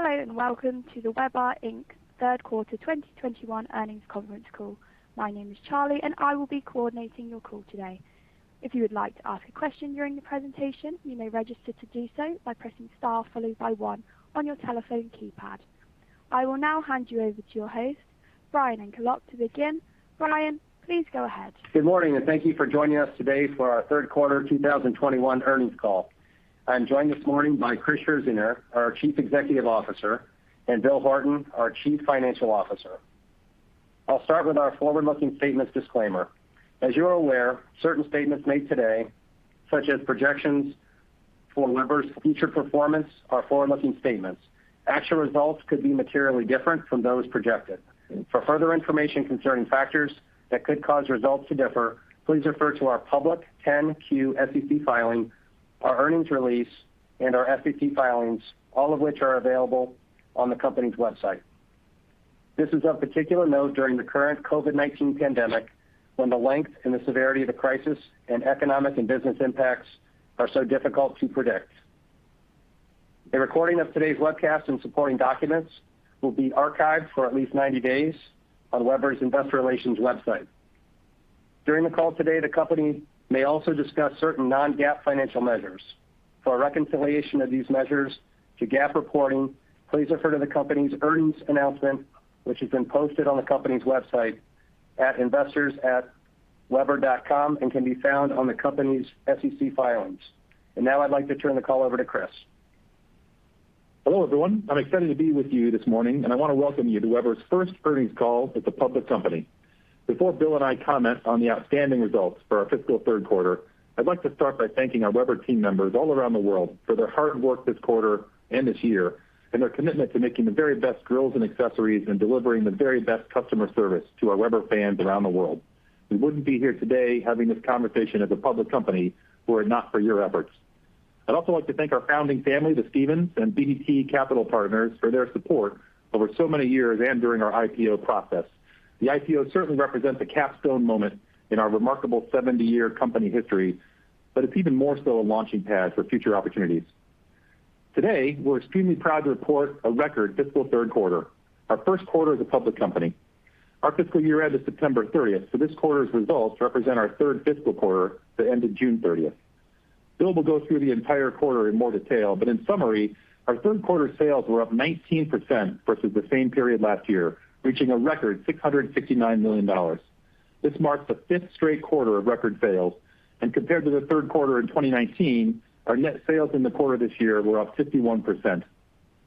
Hello, and welcome to the Weber Inc. Third Quarter 2021 Earnings Conference Call. My name is Charlie, and I will be coordinating your call today. If you would like to ask a question during the presentation, you may register to do so by pressing star followed by one on your telephone keypad. I will now hand you over to your hosts, Brian Eichenlaub to begin. Brian, please go ahead. Good morning, and thank you for joining us today for our Third Quarter 2021 earnings call. I'm joined this morning by Chris Scherzinger, our Chief Executive Officer, and Bill Horton, our Chief Financial Officer. I'll start with our forward-looking statements disclaimer. As you are aware, certain statements made today, such as projections for Weber's future performance, are forward-looking statements. Actual results could be materially different from those projected. For further information concerning factors that could cause results to differ, please refer to our public 10Q SEC filing, our earnings release, and our SEC filings, all of which are available on the company's website. This is of particular note during the current COVID-19 pandemic, when the length and the severity of the crisis and economic and business impacts are so difficult to predict. A recording of today's webcast and supporting documents will be archived for at least 90 days on Weber's investor relations website. During the call today, the company may also discuss certain non-GAAP financial measures. For a reconciliation of these measures to GAAP reporting, please refer to the company's earnings announcement, which has been posted on the company's website at investors.weber.com and can be found on the company's SEC filings. Now I'd like to turn the call over to Chris. Hello, everyone. I'm excited to be with you this morning, and I want to welcome you to Weber's first earnings call as a public company. Before Bill and I comment on the outstanding results for our fiscal third quarter, I'd like to start by thanking our Weber team members all around the world for their hard work this quarter and this year, and their commitment to making the very best grills and accessories and delivering the very best customer service to our Weber fans around the world. We wouldn't be here today having this conversation as a public company were it not for your efforts. I'd also like to thank our founding family, the Stephens and BDT Capital Partners, for their support over so many years and during our IPO process. The IPO certainly represents a capstone moment in our remarkable 70-year company history, but it's even more so a launching pad for future opportunities. Today, we're extremely proud to report a record fiscal third quarter, our first quarter as a public company. Our fiscal year end is September 30th, so this quarter's results represent our third fiscal quarter that ended June 30th. Bill will go through the entire quarter in more detail, but in summary, our third quarter sales were up 19% versus the same period last year, reaching a record $659 million. This marks the fifth straight quarter of record sales, and compared to the third quarter in 2019, our net sales in the quarter this year were up 51%.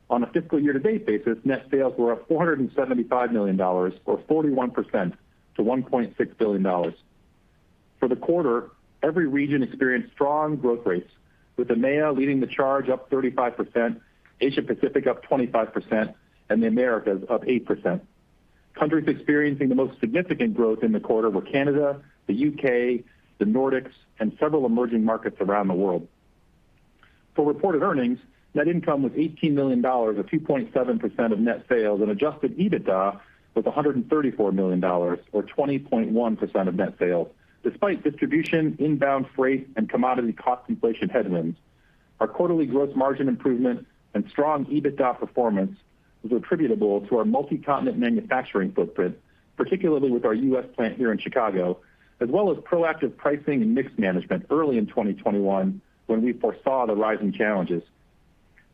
On a fiscal year to date basis, net sales were up $475 million, or 41%, to $1.6 billion. For the quarter, every region experienced strong growth rates, with EMEA leading the charge up 35%, Asia Pacific up 25%, and the Americas up 8%. Countries experiencing the most significant growth in the quarter were Canada, the U.K., the Nordics, and several emerging markets around the world. For reported earnings, net income was $18 million, or 2.7% of net sales, and adjusted EBITDA was $134 million, or 20.1% of net sales. Despite distribution, inbound freight, and commodity cost inflation headwinds, our quarterly gross margin improvement and strong EBITDA performance was attributable to our multi-continent manufacturing footprint, particularly with our U.S. plant here in Chicago, as well as proactive pricing and mix management early in 2021 when we foresaw the rising challenges.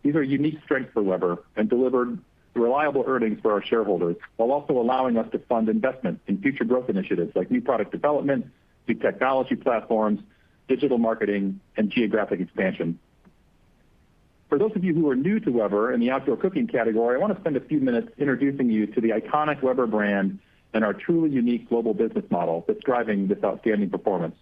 These are unique strengths for Weber and delivered reliable earnings for our shareholders, while also allowing us to fund investment in future growth initiatives like new product development, new technology platforms, digital marketing, and geographic expansion. For those of you who are new to Weber and the outdoor cooking category, I want to spend a few minutes introducing you to the iconic Weber brand and our truly unique global business model that's driving this outstanding performance.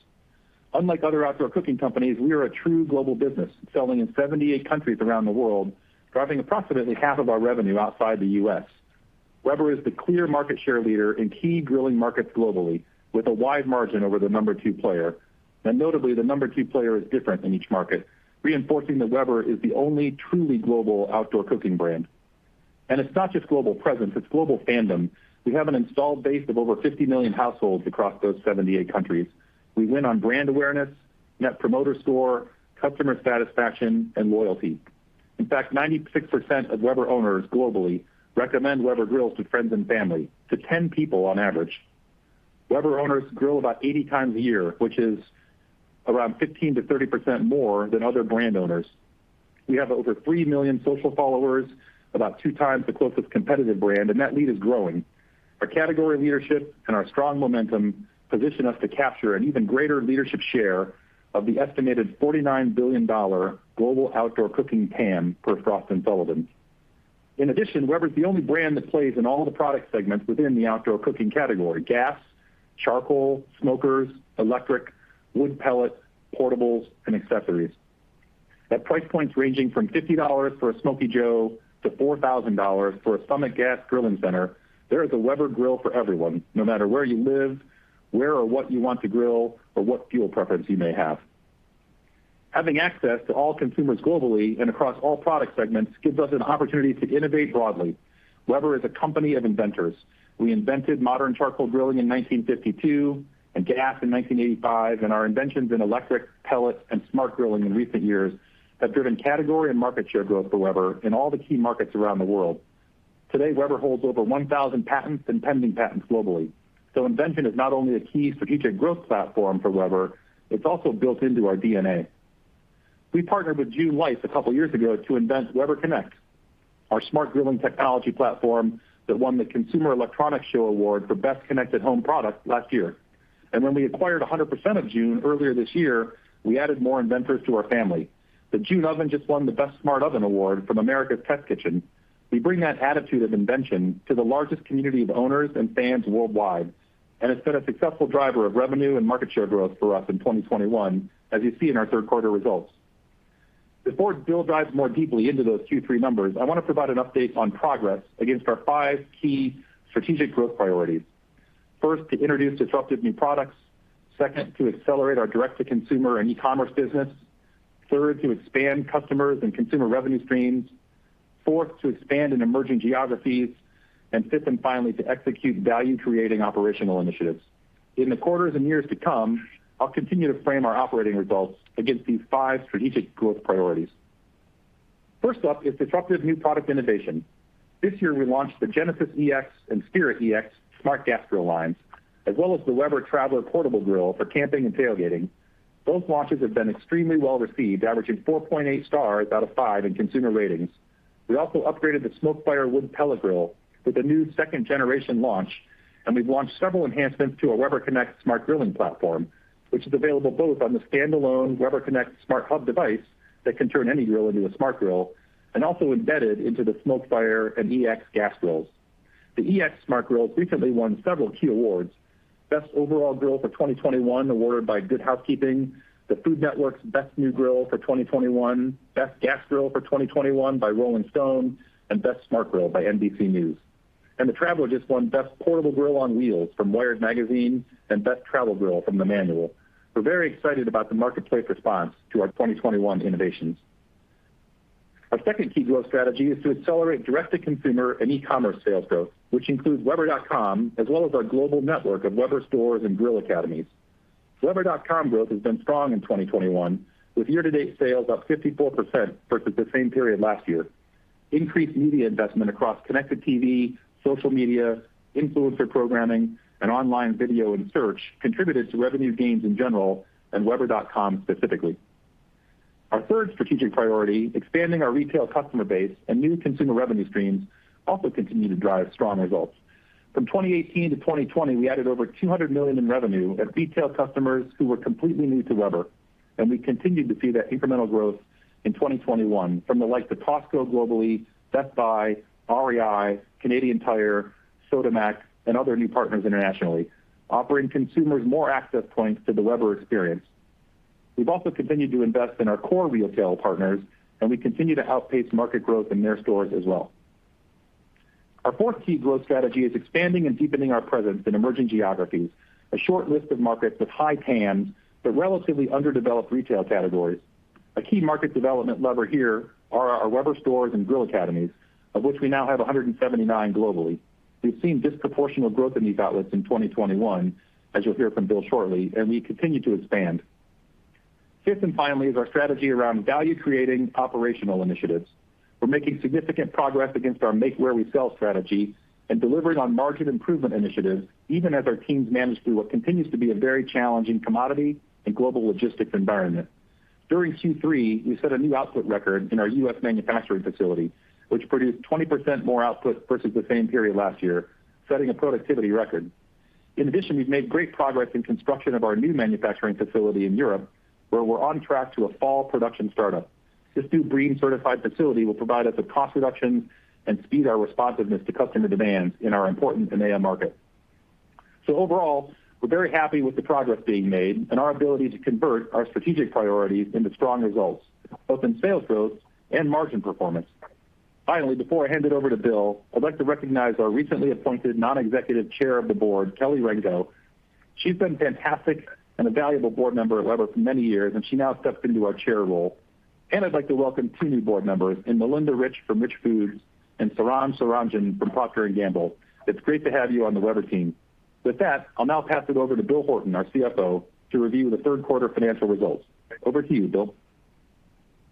Unlike other outdoor cooking companies, we are a true global business, selling in 78 countries around the world, driving approximately half of our revenue outside the U.S. Weber is the clear market share leader in key grilling markets globally, with a wide margin over the number two player. Notably, the number two player is different in each market, reinforcing that Weber is the only truly global outdoor cooking brand. It's not just global presence, it's global fandom. We have an installed base of over 50 million households across those 78 countries. We win on brand awareness, net promoter score, customer satisfaction, and loyalty. In fact, 96% of Weber owners globally recommend Weber grills to friends and family, to 10 people on average. Weber owners grill about 80 times a year, which is around 15%-30% more than other brand owners. We have over 3 million social followers, about two times the closest competitive brand, and that lead is growing. Our category leadership and our strong momentum position us to capture an even greater leadership share of the estimated $49 billion global outdoor cooking TAM per Frost & Sullivan. In addition, Weber is the only brand that plays in all the product segments within the outdoor cooking category: gas, charcoal, smokers, electric, wood pellet, portables, and accessories. At price points ranging from $50 for a Smokey Joe to $4,000 for a Summit Gas Grilling Center, there is a Weber grill for everyone, no matter where you live, where or what you want to grill, or what fuel preference you may have. Having access to all consumers globally and across all product segments gives us an opportunity to innovate broadly. Weber is a company of inventors. We invented modern charcoal grilling in 1952 and gas in 1985, and our inventions in electric pellet and smart grilling in recent years have driven category and market share growth for Weber in all the key markets around the world. Today, Weber holds over 1,000 patents and pending patents globally. Invention is not only a key strategic growth platform for Weber, it's also built into our DNA. We partnered with June Life a couple years ago to invent Weber Connect, our smart grilling technology platform that won the Consumer Electronics Show award for best connected home product last year. When we acquired 100% of June earlier this year, we added more inventors to our family. The June oven just won the best smart oven award from America's Test Kitchen. We bring that attitude of invention to the largest community of owners and fans worldwide, and it's been a successful driver of revenue and market share growth for us in 2021, as you see in our third quarter results. Before Bill dives more deeply into those Q3 numbers, I want to provide an update on progress against our five key strategic growth priorities. First, to introduce disruptive new products. Second, to accelerate our direct-to-consumer and e-commerce business. Third, to expand customers and consumer revenue streams. Fourth, to expand in emerging geographies. Fifth and finally, to execute value-creating operational initiatives. In the quarters and years to come, I'll continue to frame our operating results against these five strategic growth priorities. First up is disruptive new product innovation. This year we launched the Genesis EX and Spirit EX smart gas grill lines, as well as the Weber Traveler portable grill for camping and tailgating. Both launches have been extremely well received, averaging 4.8 stars out of five in consumer ratings. We also upgraded the SmokeFire wood pellet grill with a new second generation launch, and we've launched several enhancements to our Weber Connect smart grilling platform, which is available both on the standalone Weber Connect smart hub device that can turn any grill into a smart grill, and also embedded into the SmokeFire and EX gas grills. The EX smart grill recently won several key awards. Best Overall Grill for 2021 Award by Good Housekeeping, the Food Network's Best New Grill for 2021, Best Gas Grill for 2021 by Rolling Stone, and Best Smart Grill by NBC News. The Traveler just won Best Portable Grill on Wheels from Wired magazine and Best Travel Grill from The Manual. We're very excited about the marketplace response to our 2021 innovations. Our second key growth strategy is to accelerate direct-to-consumer and e-commerce sales growth, which includes weber.com, as well as our global network of Weber stores and Grill Academies. weber.com growth has been strong in 2021, with year-to-date sales up 54% versus the same period last year. Increased media investment across connected TV, social media, influencer programming, and online video and search contributed to revenue gains in general and weber.com specifically. Our third strategic priority, expanding our retail customer base and new consumer revenue streams, also continue to drive strong results. From 2018 to 2020, we added over $200 million in revenue at retail customers who were completely new to Weber, and we continued to see that incremental growth in 2021 from the likes of Costco globally, Best Buy, REI, Canadian Tire, Sodimac, and other new partners internationally, offering consumers more access points to the Weber experience. We've also continued to invest in our core retail partners, and we continue to outpace market growth in their stores as well. Our fourth key growth strategy is expanding and deepening our presence in emerging geographies, a short list of markets with high TAM, but relatively underdeveloped retail categories. A key market development lever here are our Weber stores and Grill Academies, of which we now have 179 globally. We've seen disproportionate growth in these outlets in 2021, as you'll hear from Bill shortly, and we continue to expand. Fifth and finally is our strategy around value-creating operational initiatives. We're making significant progress against our make where we sell strategy and delivering on margin improvement initiatives even as our teams manage through what continues to be a very challenging commodity and global logistics environment. During Q3, we set a new output record in our U.S. manufacturing facility, which produced 20% more output versus the same period last year, setting a productivity record. In addition, we've made great progress in construction of our new manufacturing facility in Europe, where we're on track to a fall production startup. This new BREEAM-certified facility will provide us with cost reductions and speed our responsiveness to customer demands in our important EMEA market. Overall, we're very happy with the progress being made and our ability to convert our strategic priorities into strong results, both in sales growth and margin performance. Finally, before I hand it over to Bill, I'd like to recognize our recently appointed non-executive chair of the board, Kelly Rainko. She's been fantastic and a valuable board member at Weber for many years, and she now steps into our chair role. I'd like to welcome two new board members in Melinda Rich from Rich Products and Sundar Raman from Procter & Gamble. It's great to have you on the Weber team. With that, I'll now pass it over to Bill Horton, our CFO, to review the third quarter financial results. Over to you, Bill.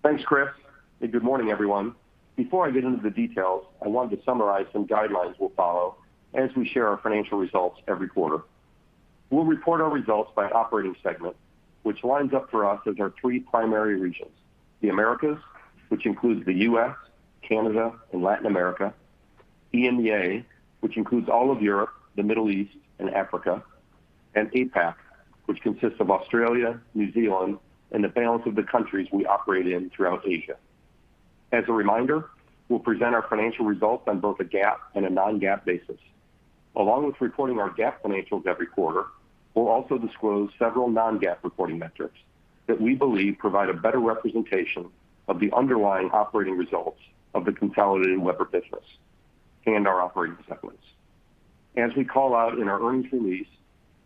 Thanks, Chris, and good morning, everyone. Before I get into the details, I wanted to summarize some guidelines we'll follow as we share our financial results every quarter. We'll report our results by operating segment, which lines up for us as our three primary regions, the Americas, which includes the U.S., Canada, and Latin America, EMEA, which includes all of Europe, the Middle East, and Africa, and APAC, which consists of Australia, New Zealand, and the balance of the countries we operate in throughout Asia. As a reminder, we'll present our financial results on both a GAAP and a non-GAAP basis. Along with reporting our GAAP financials every quarter, we'll also disclose several non-GAAP reporting metrics that we believe provide a better representation of the underlying operating results of the consolidated Weber business and our operating segments. As we call out in our earnings release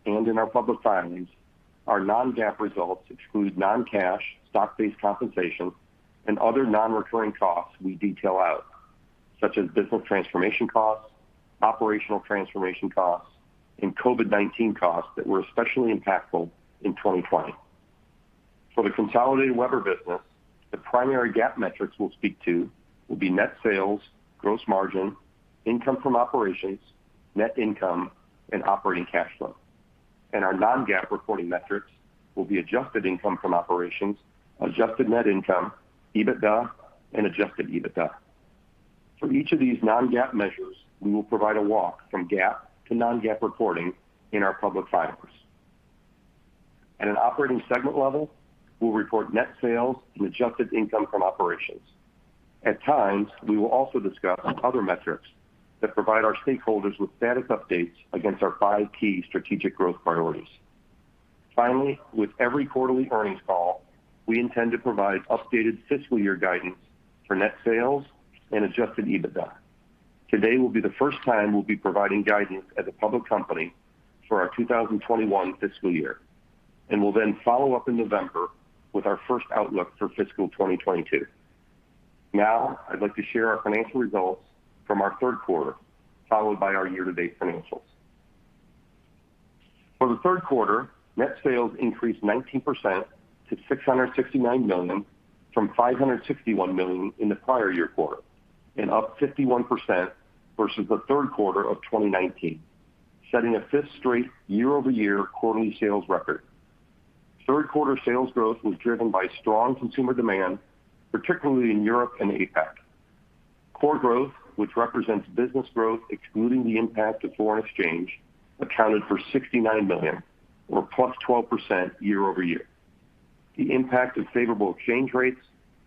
and in our public filings, our non-GAAP results exclude non-cash stock-based compensation and other non-recurring costs we detail out, such as business transformation costs, operational transformation costs, and COVID-19 costs that were especially impactful in 2020. For the consolidated Weber business, the primary GAAP metrics we'll speak to will be net sales, gross margin, income from operations, net income, and operating cash flow. Our non-GAAP reporting metrics will be adjusted income from operations, adjusted net income, EBITDA, and adjusted EBITDA. For each of these non-GAAP measures, we will provide a walk from GAAP to non-GAAP reporting in our public filings. At an operating segment level, we'll report net sales and adjusted income from operations. At times, we will also discuss other metrics that provide our stakeholders with status updates against our five key strategic growth priorities. Finally, with every quarterly earnings call, we intend to provide updated fiscal year guidance for net sales and adjusted EBITDA. Today will be the first time we'll be providing guidance as a public company for our 2021 fiscal year, and we'll then follow up in November with our first outlook for fiscal 2022. Now, I'd like to share our financial results from our third quarter, followed by our year-to-date financials. For the third quarter, net sales increased 19% to $669 million from $561 million in the prior-year quarter, and up 51% versus the third quarter of 2019, setting a fifth straight year-over-year quarterly sales record. Third quarter sales growth was driven by strong consumer demand, particularly in Europe and APAC. Core growth, which represents business growth excluding the impact of foreign exchange, accounted for $69 million, or +12% year-over-year. The impact of favorable exchange rates,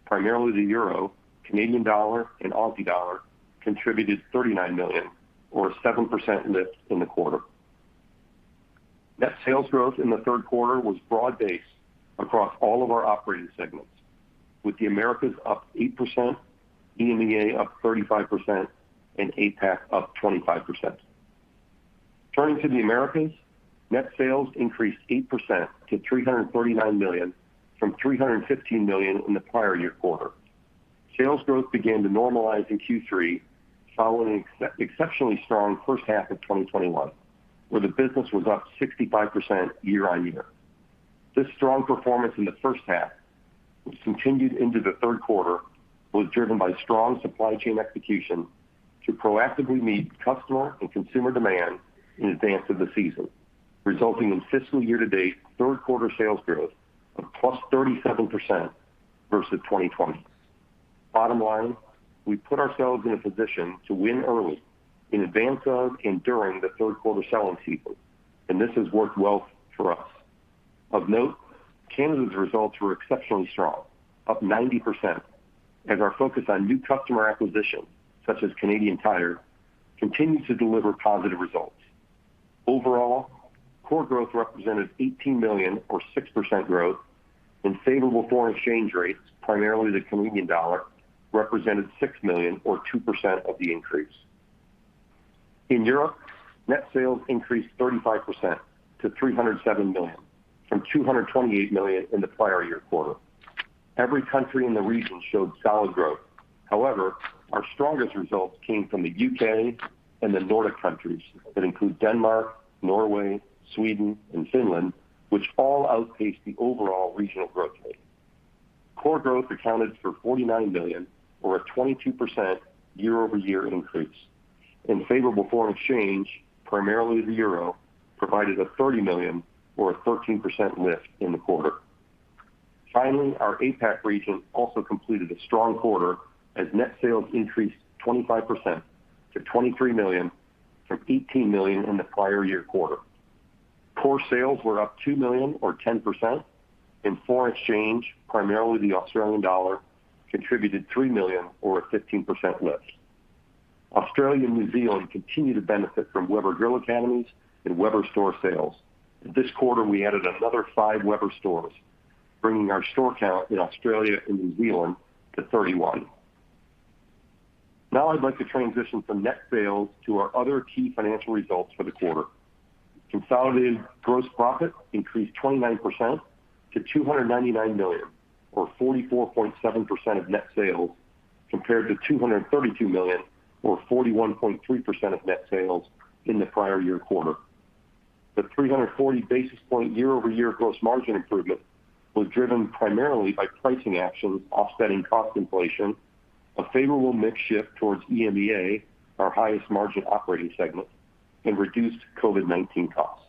primarily the Euro, Canadian dollar, and Aussie dollar, contributed $39 million, or 7% lift in the quarter. Net sales growth in the third quarter was broad based across all of our operating segments, with the Americas up 8%, EMEA up 35%, and APAC up 25%. Turning to the Americas, net sales increased 8% to $339 million from $315 million in the prior year quarter. Sales growth began to normalize in Q3, following an exceptionally strong first half of 2021, where the business was up 65% year-on-year. This strong performance in the first half, which continued into the third quarter, was driven by strong supply chain execution to proactively meet customer and consumer demand in advance of the season, resulting in fiscal year to date third quarter sales growth of plus 37% versus 2020. Bottom line, we put ourselves in a position to win early in advance of and during the third quarter selling season. This has worked well for us. Of note, Canada's results were exceptionally strong, up 90%, as our focus on new customer acquisition, such as Canadian Tire, continues to deliver positive results. Overall, core growth represented $18 million or 6% growth and favorable foreign exchange rates, primarily the Canadian dollar, represented $6 million or 2% of the increase. In Europe, net sales increased 35% to $307 million from $228 million in the prior year quarter. Every country in the region showed solid growth. However, our strongest results came from the U.K. and the Nordic countries that include Denmark, Norway, Sweden, and Finland, which all outpaced the overall regional growth rate. Core growth accounted for $49 million or a 22% year-over-year increase, and favorable foreign exchange, primarily the euro, provided a 30 million or a 13% lift in the quarter. Finally, our APAC region also completed a strong quarter as net sales increased 25% to $23 million from $18 million in the prior year quarter. Core sales were up $2 million or 10%, and foreign exchange, primarily the Australian dollar, contributed 3 million or a 15% lift. Australia and New Zealand continue to benefit from Weber Grill Academies and Weber Store sales. This quarter, we added another five Weber stores, bringing our store count in Australia and New Zealand to 31. Now I'd like to transition from net sales to our other key financial results for the quarter. Consolidated gross profit increased 29% to $299 million, or 44.7% of net sales, compared to $232 million or 41.3% of net sales in the prior year quarter. The 340 basis point year-over-year gross margin improvement was driven primarily by pricing actions offsetting cost inflation, a favorable mix shift towards EMEA, our highest margin operating segment, and reduced COVID-19 costs.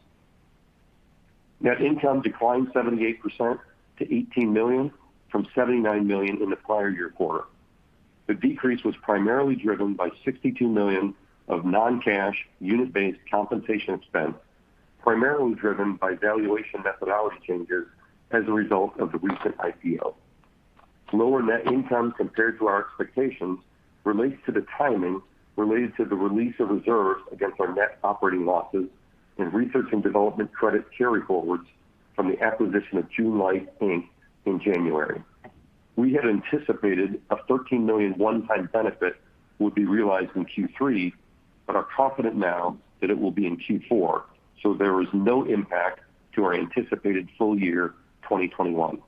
Net income declined 78% to $18 million from $79 million in the prior year quarter. The decrease was primarily driven by $62 million of non-cash unit-based compensation expense, primarily driven by valuation methodology changes as a result of the recent IPO. Lower net income compared to our expectations relates to the timing related to the release of reserves against our net operating losses and research and development credit carryforwards from the acquisition of June Life, Inc. in January. We had anticipated a $13 million one-time benefit would be realized in Q3, but are confident now that it will be in Q4, so there is no impact to our anticipated full year 2021.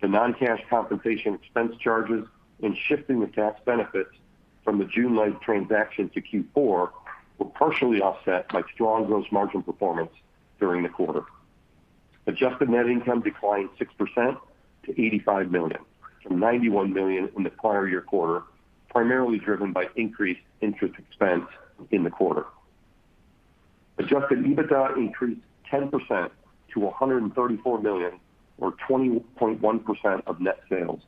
The non-cash compensation expense charges in shifting the tax benefits from the June Life transaction to Q4 were partially offset by strong gross margin performance during the quarter. Adjusted net income declined 6% to $85 million from $91 million in the prior year quarter, primarily driven by increased interest expense in the quarter. Adjusted EBITDA increased 10% to $134 million or 20.1% of net sales,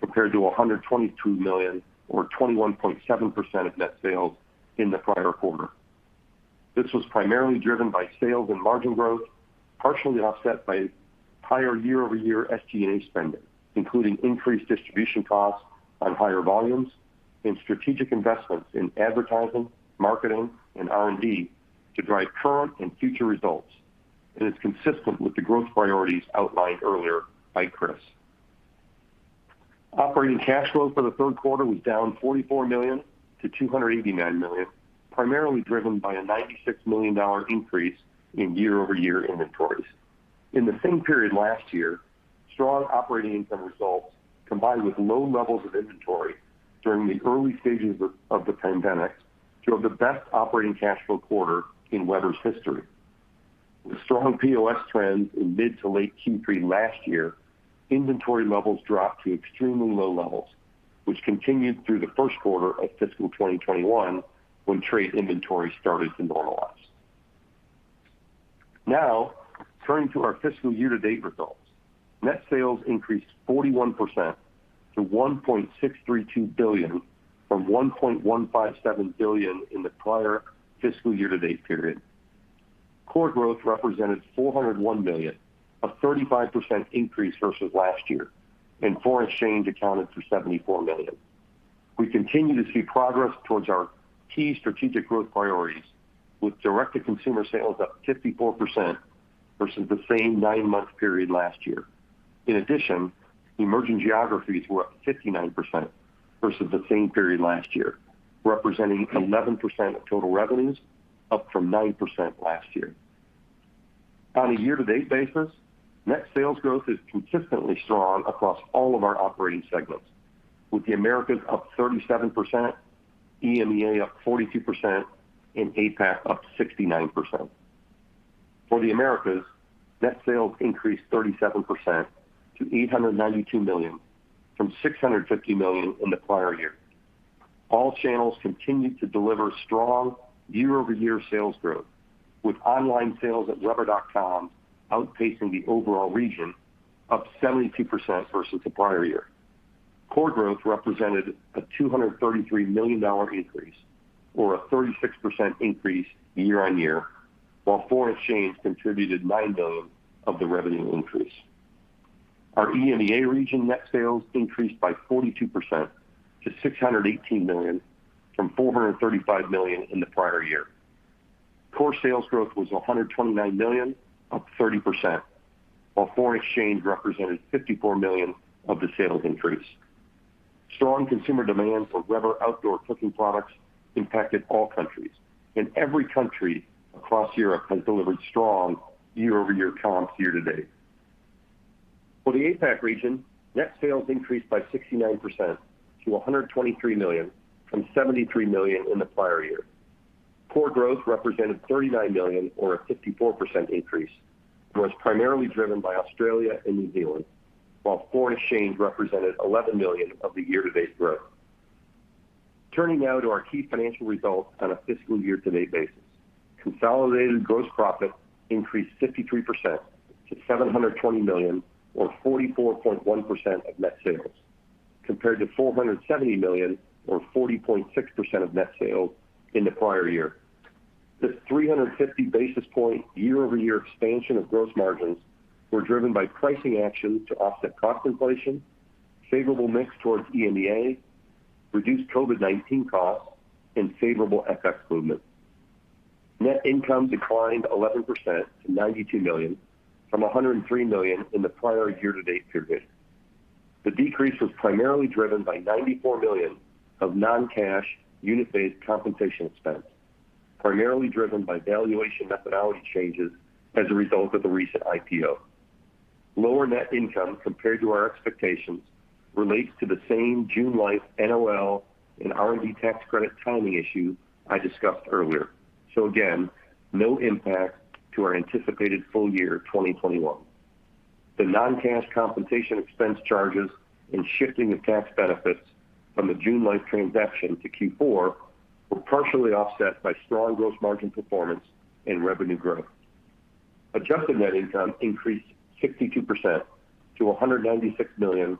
compared to $122 million or 21.7% of net sales in the prior quarter. This was primarily driven by sales and margin growth, partially offset by higher year-over-year SG&A spending, including increased distribution costs on higher volumes and strategic investments in advertising, marketing, and R&D to drive current and future results, and is consistent with the growth priorities outlined earlier by Chris. Operating cash flow for the third quarter was down $44 million-$289 million, primarily driven by a $96 million increase in year-over-year inventories. In the same period last year, strong operating income results combined with low levels of inventory during the early stages of the pandemic drove the best operating cash flow quarter in Weber's history. With strong POS trends in mid to late Q3 last year, inventory levels dropped to extremely low levels, which continued through the first quarter of fiscal 2021, when trade inventory started to normalize. Turning to our fiscal year-to-date results. Net sales increased 41% to $1.632 billion from $1.157 billion in the prior fiscal year-to-date period. Core growth represented $401 million, a 35% increase versus last year, foreign exchange accounted for $74 million. We continue to see progress towards our key strategic growth priorities with direct-to-consumer sales up 54% versus the same nine-month period last year. In addition, emerging geographies were up 59% versus the same period last year, representing 11% of total revenues, up from 9% last year. On a year-to-date basis, net sales growth is consistently strong across all of our operating segments, with the Americas up 37%, EMEA up 42%, and APAC up 69%. For the Americas, net sales increased 37% to $892 million from $650 million in the prior year. All channels continued to deliver strong year-over-year sales growth, with online sales at weber.com outpacing the overall region up 72% versus the prior year. Core growth represented a $233 million increase or a 36% increase year-on-year, while foreign exchange contributed $9 million of the revenue increase. Our EMEA region net sales increased by 42% to $618 million from $435 million in the prior year. Core sales growth was $129 million, up 30%, while foreign exchange represented $54 million of the sales increase. Strong consumer demand for Weber outdoor cooking products impacted all countries, and every country across Europe has delivered strong year-over-year comps year-to-date. For the APAC region, net sales increased by 69% to $123 million from $73 million in the prior year. Core growth represented $39 million or a 54% increase, and was primarily driven by Australia and New Zealand, while foreign exchange represented $11 million of the year-to-date growth. Turning now to our key financial results on a fiscal year-to-date basis. Consolidated gross profit increased 53% to $720 million or 44.1% of net sales, compared to $470 million or 40.6% of net sales in the prior year. This 350 basis points year-over-year expansion of gross margins were driven by pricing actions to offset cost inflation, favorable mix towards EMEA, reduced COVID-19 costs, and favorable FX movements. Net income declined 11% to $92 million from $103 million in the prior year-to-date period. The decrease was primarily driven by $94 million of non-cash unit-based compensation expense, primarily driven by valuation methodology changes as a result of the recent IPO. Lower net income compared to our expectations relates to the same June Life NOL and R&D tax credit timing issue I discussed earlier. Again, no impact to our anticipated full year 2021. The non-cash compensation expense charges in shifting the tax benefits from the June Life transaction to Q4 were partially offset by strong gross margin performance and revenue growth. Adjusted net income increased 62% to $196 million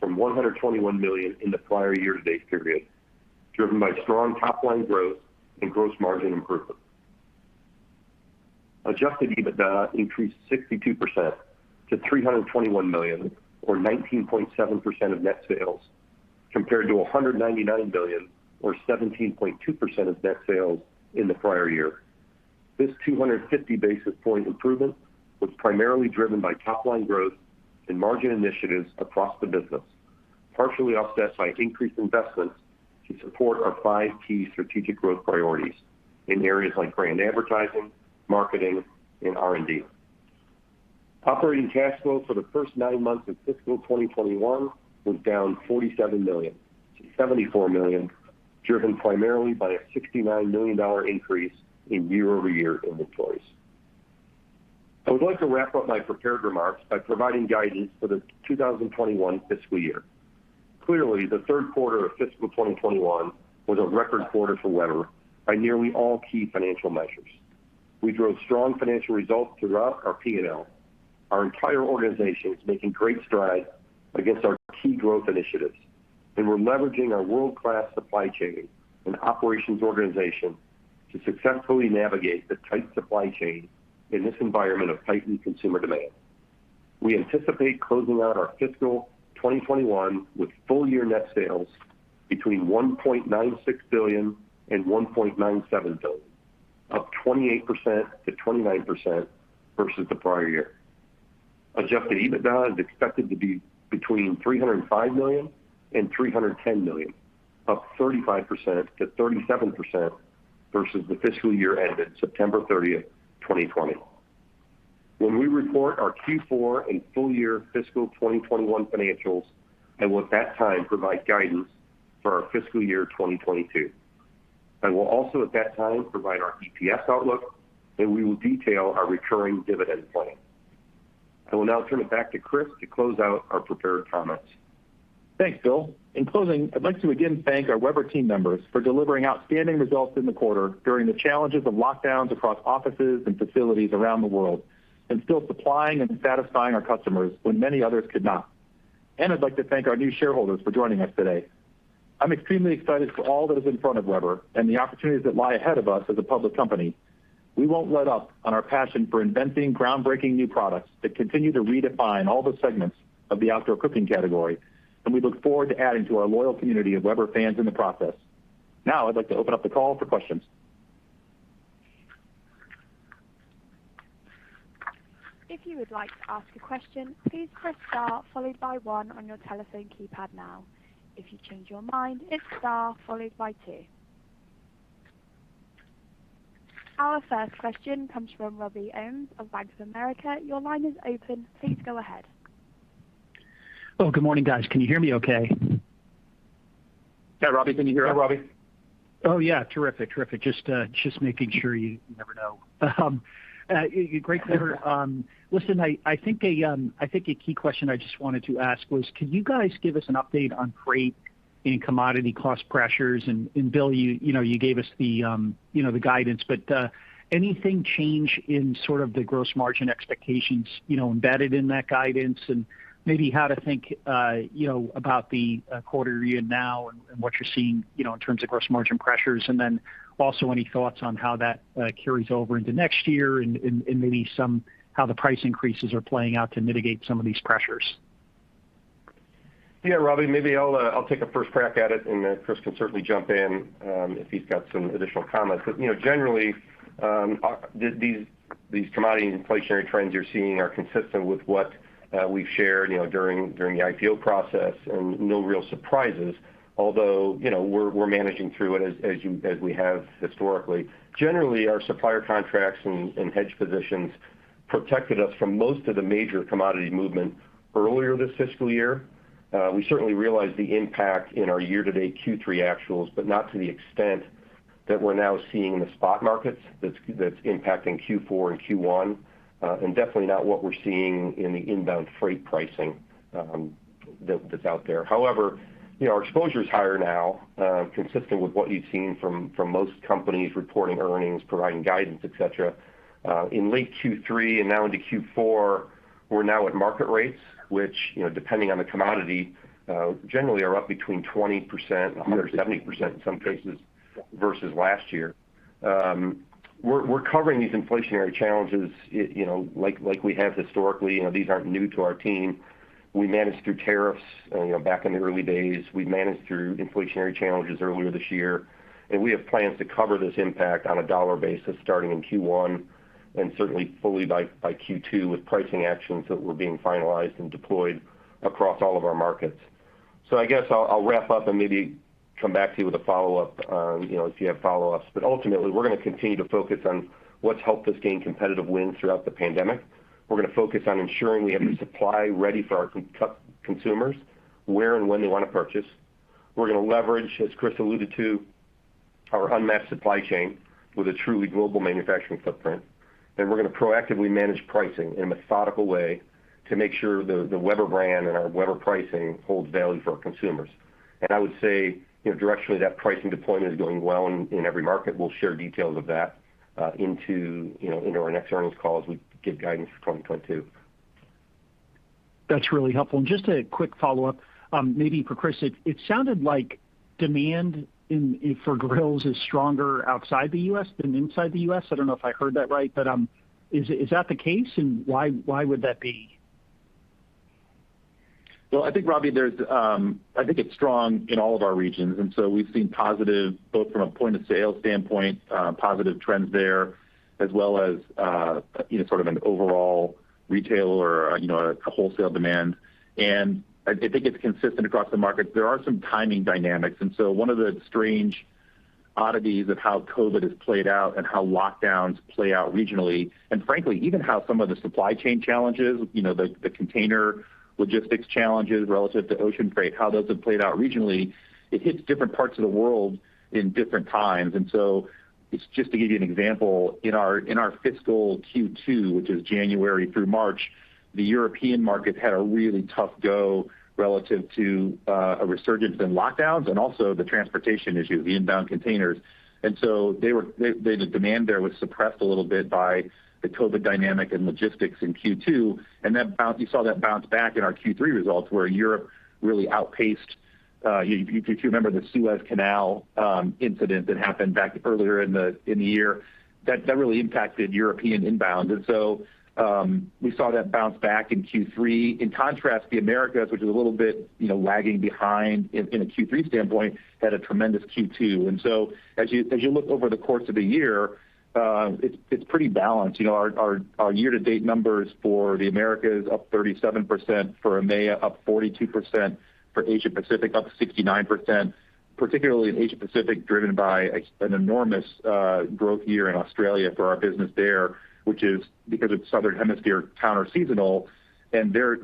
from $121 million in the prior year-to-date period, driven by strong top-line growth and gross margin improvement. Adjusted EBITDA increased 62% to $321 million or 19.7% of net sales, compared to $199 million or 17.2% of net sales in the prior year. This 250 basis point improvement was primarily driven by top-line growth and margin initiatives across the business, partially offset by increased investments to support our five key strategic growth priorities in areas like brand advertising, marketing, and R&D. Operating cash flow for the first nine months of fiscal 2021 was down $47 million to $74 million, driven primarily by a $69 million increase in year-over-year inventories. I would like to wrap up my prepared remarks by providing guidance for the 2021 fiscal year. Clearly, the third quarter of fiscal 2021 was a record quarter for Weber by nearly all key financial measures. We drove strong financial results throughout our P&L. Our entire organization is making great strides against our key growth initiatives, and we're leveraging our world-class supply chain and operations organization to successfully navigate the tight supply chain in this environment of heightened consumer demand. We anticipate closing out our fiscal 2021 with full-year net sales between $1.96 billion and $1.97 billion, up 28%-29% versus the prior year. Adjusted EBITDA is expected to be between $305 million and $310 million, up 35%-37% versus the fiscal year ended September 30, 2020. When we report our Q4 and full year fiscal 2021 financials, I will at that time provide guidance for our fiscal year 2022. I will also at that time provide our EPS outlook, and we will detail our recurring dividend plan. I will now turn it back to Chris to close out our prepared comments. Thanks, Bill. In closing, I'd like to again thank our Weber team members for delivering outstanding results in the quarter during the challenges of lockdowns across offices and facilities around the world, and still supplying and satisfying our customers when many others could not. I'd like to thank our new shareholders for joining us today. I'm extremely excited for all that is in front of Weber and the opportunities that lie ahead of us as a public company. We won't let up on our passion for inventing groundbreaking new products that continue to redefine all the segments of the outdoor cooking category, and we look forward to adding to our loyal community of Weber fans in the process. I'd like to open up the call for questions. If you would like to ask a question, please press star followed by one on your telephone keypad now. If you change your mind, it's star followed by two. Our first question comes from Robbie Ohmes of Bank of America. Your line is open. Please go ahead. Oh, good morning, guys. Can you hear me okay? Yeah, Robbie, can you hear us? Yeah, Robbie. Oh, yeah. Terrific. Just making sure. You never know. Great quarter. Listen, I think a key question I just wanted to ask was, can you guys give us an update on freight and commodity cost pressures? Bill, you gave us the guidance, but anything change in sort of the gross margin expectations embedded in that guidance? Maybe how to think about the quarter year now and what you're seeing in terms of gross margin pressures? Also any thoughts on how that carries over into next year and maybe how the price increases are playing out to mitigate some of these pressures? Yeah, Robbie. Maybe I'll take a first crack at it, and then Chris can certainly jump in if he's got some additional comments. Generally, these commodity inflationary trends you're seeing are consistent with what we've shared during the IPO process, and no real surprises. Although, we're managing through it as we have historically. Generally, our supplier contracts and hedge positions protected us from most of the major commodity movement earlier this fiscal year. We certainly realized the impact in our year-to-date Q3 actuals, but not to the extent that we're now seeing in the spot markets that's impacting Q4 and Q1. Definitely not what we're seeing in the inbound freight pricing that's out there. However, our exposure is higher now, consistent with what you've seen from most companies reporting earnings, providing guidance, et cetera. In late Q3 and now into Q4, we're now at market rates, which, depending on the commodity, generally are up between 20% and 170% in some cases, versus last year. We're covering these inflationary challenges like we have historically. These aren't new to our team. We managed through tariffs back in the early days. We managed through inflationary challenges earlier this year, and we have plans to cover this impact on a dollar basis starting in Q1, and certainly fully by Q2 with pricing actions that were being finalized and deployed across all of our markets. I guess I'll wrap up and maybe come back to you with a follow-up if you have follow-ups. Ultimately, we're going to continue to focus on what's helped us gain competitive wins throughout the pandemic. We're going to focus on ensuring we have supply ready for our consumers, where and when they want to purchase. We're going to leverage, as Chris alluded to, our unmatched supply chain with a truly global manufacturing footprint, and we're going to proactively manage pricing in a methodical way to make sure the Weber brand and our Weber pricing holds value for our consumers. I would say, directionally, that pricing deployment is going well in every market. We'll share details of that into our next earnings call as we give guidance for 2022. That's really helpful. Just a quick follow-up, maybe for Chris. It sounded like demand for grills is stronger outside the U.S. than inside the U.S. I don't know if I heard that right, but is that the case, and why would that be? Well, I think, Robbie, it's strong in all of our regions. We've seen positive, both from a point-of-sale standpoint, positive trends there, as well as an overall retail or a wholesale demand. I think it's consistent across the market. There are some timing dynamics, one of the strange oddities of how COVID has played out and how lockdowns play out regionally, and frankly, even how some of the supply chain challenges, the container logistics challenges relative to ocean freight, how those have played out regionally, it hits different parts of the world in different times. Just to give you an example, in our fiscal Q2, which is January through March, the European market had a really tough go relative to a resurgence in lockdowns and also the transportation issue, the inbound containers. The demand there was suppressed a little bit by the COVID dynamic and logistics in Q2, and you saw that bounce back in our Q3 results, where Europe really outpaced. If you remember the Suez Canal incident that happened back earlier in the year, that really impacted European inbound. We saw that bounce back in Q3. In contrast, the Americas, which was a little bit lagging behind in a Q3 standpoint, had a tremendous Q2. As you look over the course of the year, it's pretty balanced. Our year-to-date numbers for the Americas up 37%, for EMEA up 42%, for Asia Pacific up 69%, particularly in Asia Pacific, driven by an enormous growth year in Australia for our business there, which is because it's Southern Hemisphere counter-seasonal, and they were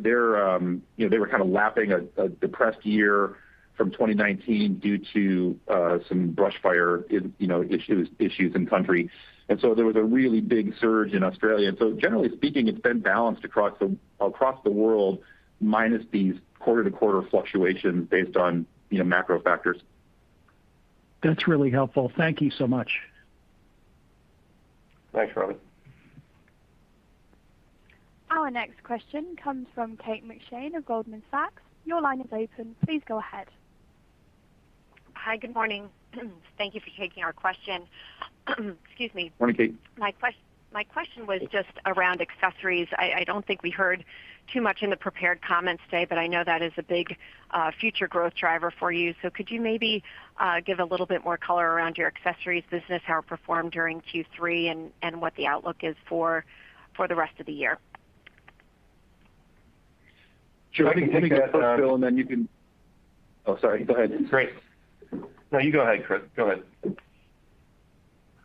kind of lapping a depressed year from 2019 due to some brush fire issues in country. There was a really big surge in Australia. Generally speaking, it's been balanced across the world minus these quarter-to-quarter fluctuations based on macro factors. That's really helpful. Thank you so much. Thanks, Robbie. Our next question comes from Kate McShane of Goldman Sachs. Your line is open. Please go ahead. Hi. Good morning. Thank you for taking our question. Excuse me. Morning, Kate. My question was just around accessories. I don't think we heard too much in the prepared comments today, but I know that is a big future growth driver for you. Could you maybe give a little bit more color around your accessories business, how it performed during Q3, and what the outlook is for the rest of the year? Sure. I can take that, Bill. Oh, sorry. Go ahead. Great. No, you go ahead, Chris. Go ahead.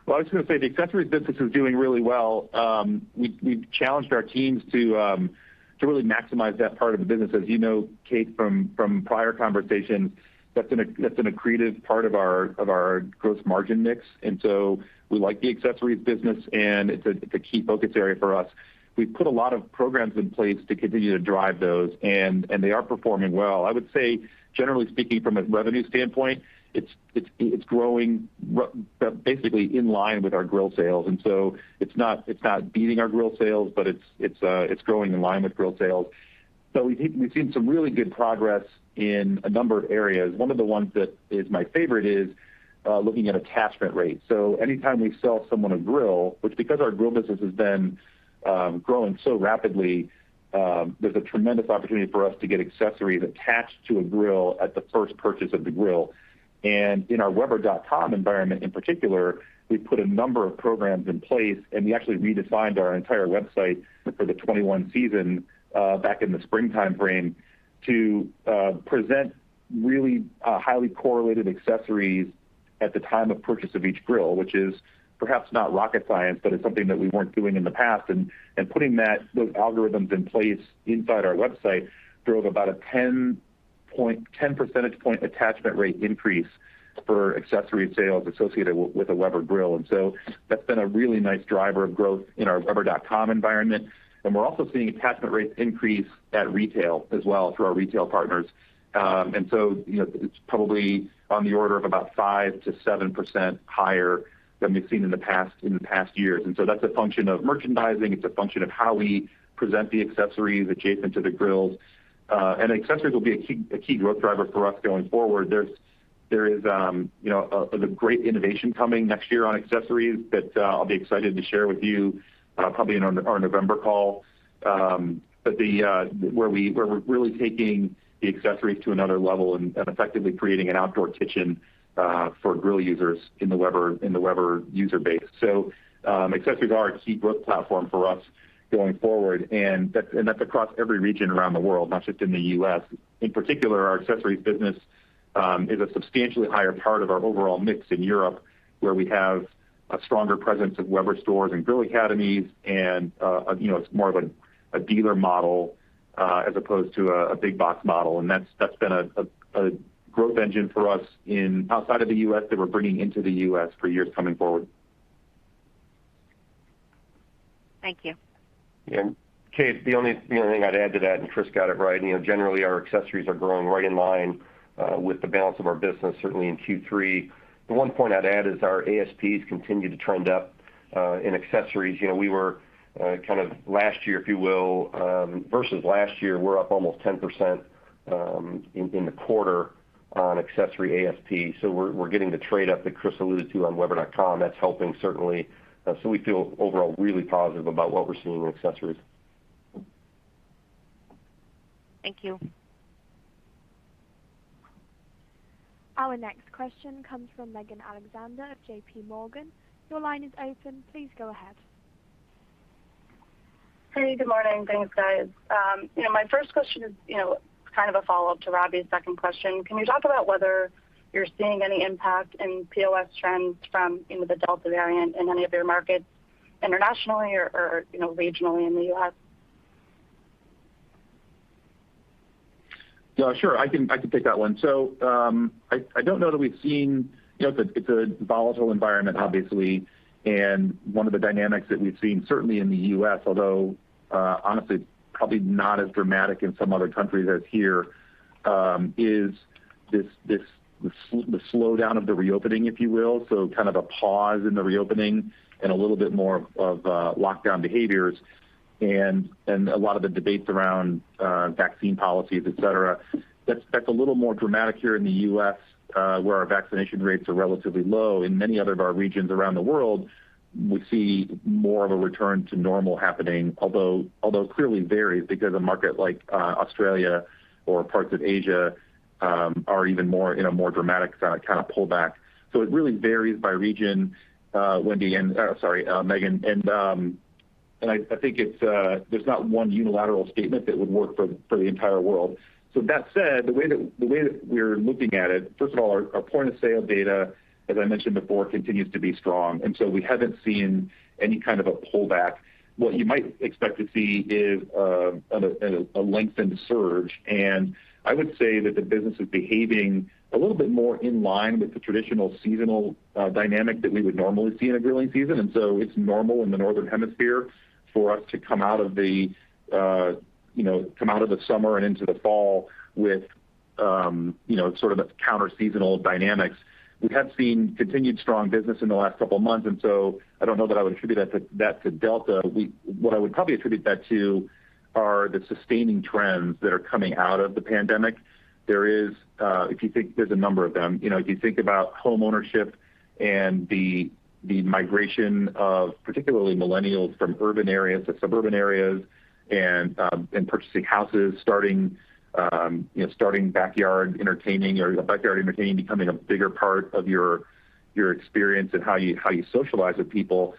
Well, I was going to say the accessories business is doing really well. We've challenged our teams to really maximize that part of the business. As you know, Kate, from prior conversations, that's an accretive part of our gross margin mix. We like the accessories business, and it's a key focus area for us. We put a lot of programs in place to continue to drive those, and they are performing well. I would say, generally speaking, from a revenue standpoint, it's growing basically in line with our grill sales. It's not beating our grill sales, but it's growing in line with grill sales. We've seen some really good progress in a number of areas. One of the ones that is my favorite is looking at attachment rates. Anytime we sell someone a grill, which, because our grill business has been growing so rapidly, there's a tremendous opportunity for us to get accessories attached to a grill at the first purchase of the grill. In our weber.com environment in particular, we put a number of programs in place, and we actually redesigned our entire website for the 2021 season, back in the springtime frame, to present really highly correlated accessories at the time of purchase of each grill, which is perhaps not rocket science, but it's something that we weren't doing in the past. Putting those algorithms in place inside our website drove about a 10 percentage point attachment rate increase for accessory sales associated with a Weber grill. That's been a really nice driver of growth in our weber.com environment. We're also seeing attachment rates increase at retail as well through our retail partners. It's probably on the order of about 5%-7% higher than we've seen in the past years. That's a function of merchandising. It's a function of how we present the accessories adjacent to the grills. Accessories will be a key growth driver for us going forward. There's a great innovation coming next year on accessories that I'll be excited to share with you, probably on our November call, where we're really taking the accessories to another level and effectively creating an outdoor kitchen for grill users in the Weber user base. Accessories are a key growth platform for us going forward, and that's across every region around the world, not just in the U.S. In particular, our accessories business is a substantially higher part of our overall mix in Europe, where we have a stronger presence of Weber stores and Grill Academies, and it's more of a dealer model, as opposed to a big box model. That's been a growth engine for us outside of the U.S. that we're bringing into the U.S. for years coming forward. Thank you. Yeah. Kate, the only thing I'd add to that, Chris got it right, generally, our accessories are growing right in line with the balance of our business, certainly in Q3. The one point I'd add is our ASPs continue to trend up in accessories. Versus last year, we're up almost 10% in the quarter on accessory ASP. We're getting the trade up that Chris alluded to on weber.com. That's helping certainly. We feel overall really positive about what we're seeing in accessories. Thank you. Our next question comes from Megan Alexander of JPMorgan. Hey, good morning. Thanks, guys. My first question is kind of a follow-up to Robbie's second question. Can you talk about whether you're seeing any impact in POS trends from the Delta variant in any of your markets internationally or regionally in the U.S.? Yeah, sure. I can take that one. I don't know that we've seen, it's a volatile environment, obviously. One of the dynamics that we've seen, certainly in the U.S., although, honestly, probably not as dramatic in some other countries as here, is the slowdown of the reopening, if you will. Kind of a pause in the reopening and a little bit more of lockdown behaviors and a lot of the debates around vaccine policies, et cetera. That's a little more dramatic here in the U.S., where our vaccination rates are relatively low. In many other of our regions around the world, we see more of a return to normal happening. Although clearly varies because a market like Australia or parts of Asia are even more in a more dramatic kind of pullback. It really varies by region, Megan, and I think there's not one unilateral statement that would work for the entire world. That said, the way that we're looking at it, first of all, our point of sale data, as I mentioned before, continues to be strong, and so we haven't seen any kind of a pullback. What you might expect to see is a lengthened surge, and I would say that the business is behaving a little bit more in line with the traditional seasonal dynamic that we would normally see in a grilling season. It's normal in the northern hemisphere for us to come out of the summer and into the fall with sort of counter seasonal dynamics. We have seen continued strong business in the last couple of months, and so I don't know that I would attribute that to Delta. What I would probably attribute that to are the sustaining trends that are coming out of the pandemic. There's a number of them. If you think about home ownership and the migration of particularly millennials from urban areas to suburban areas and purchasing houses, starting backyard entertaining, or backyard entertaining becoming a bigger part of your experience and how you socialize with people,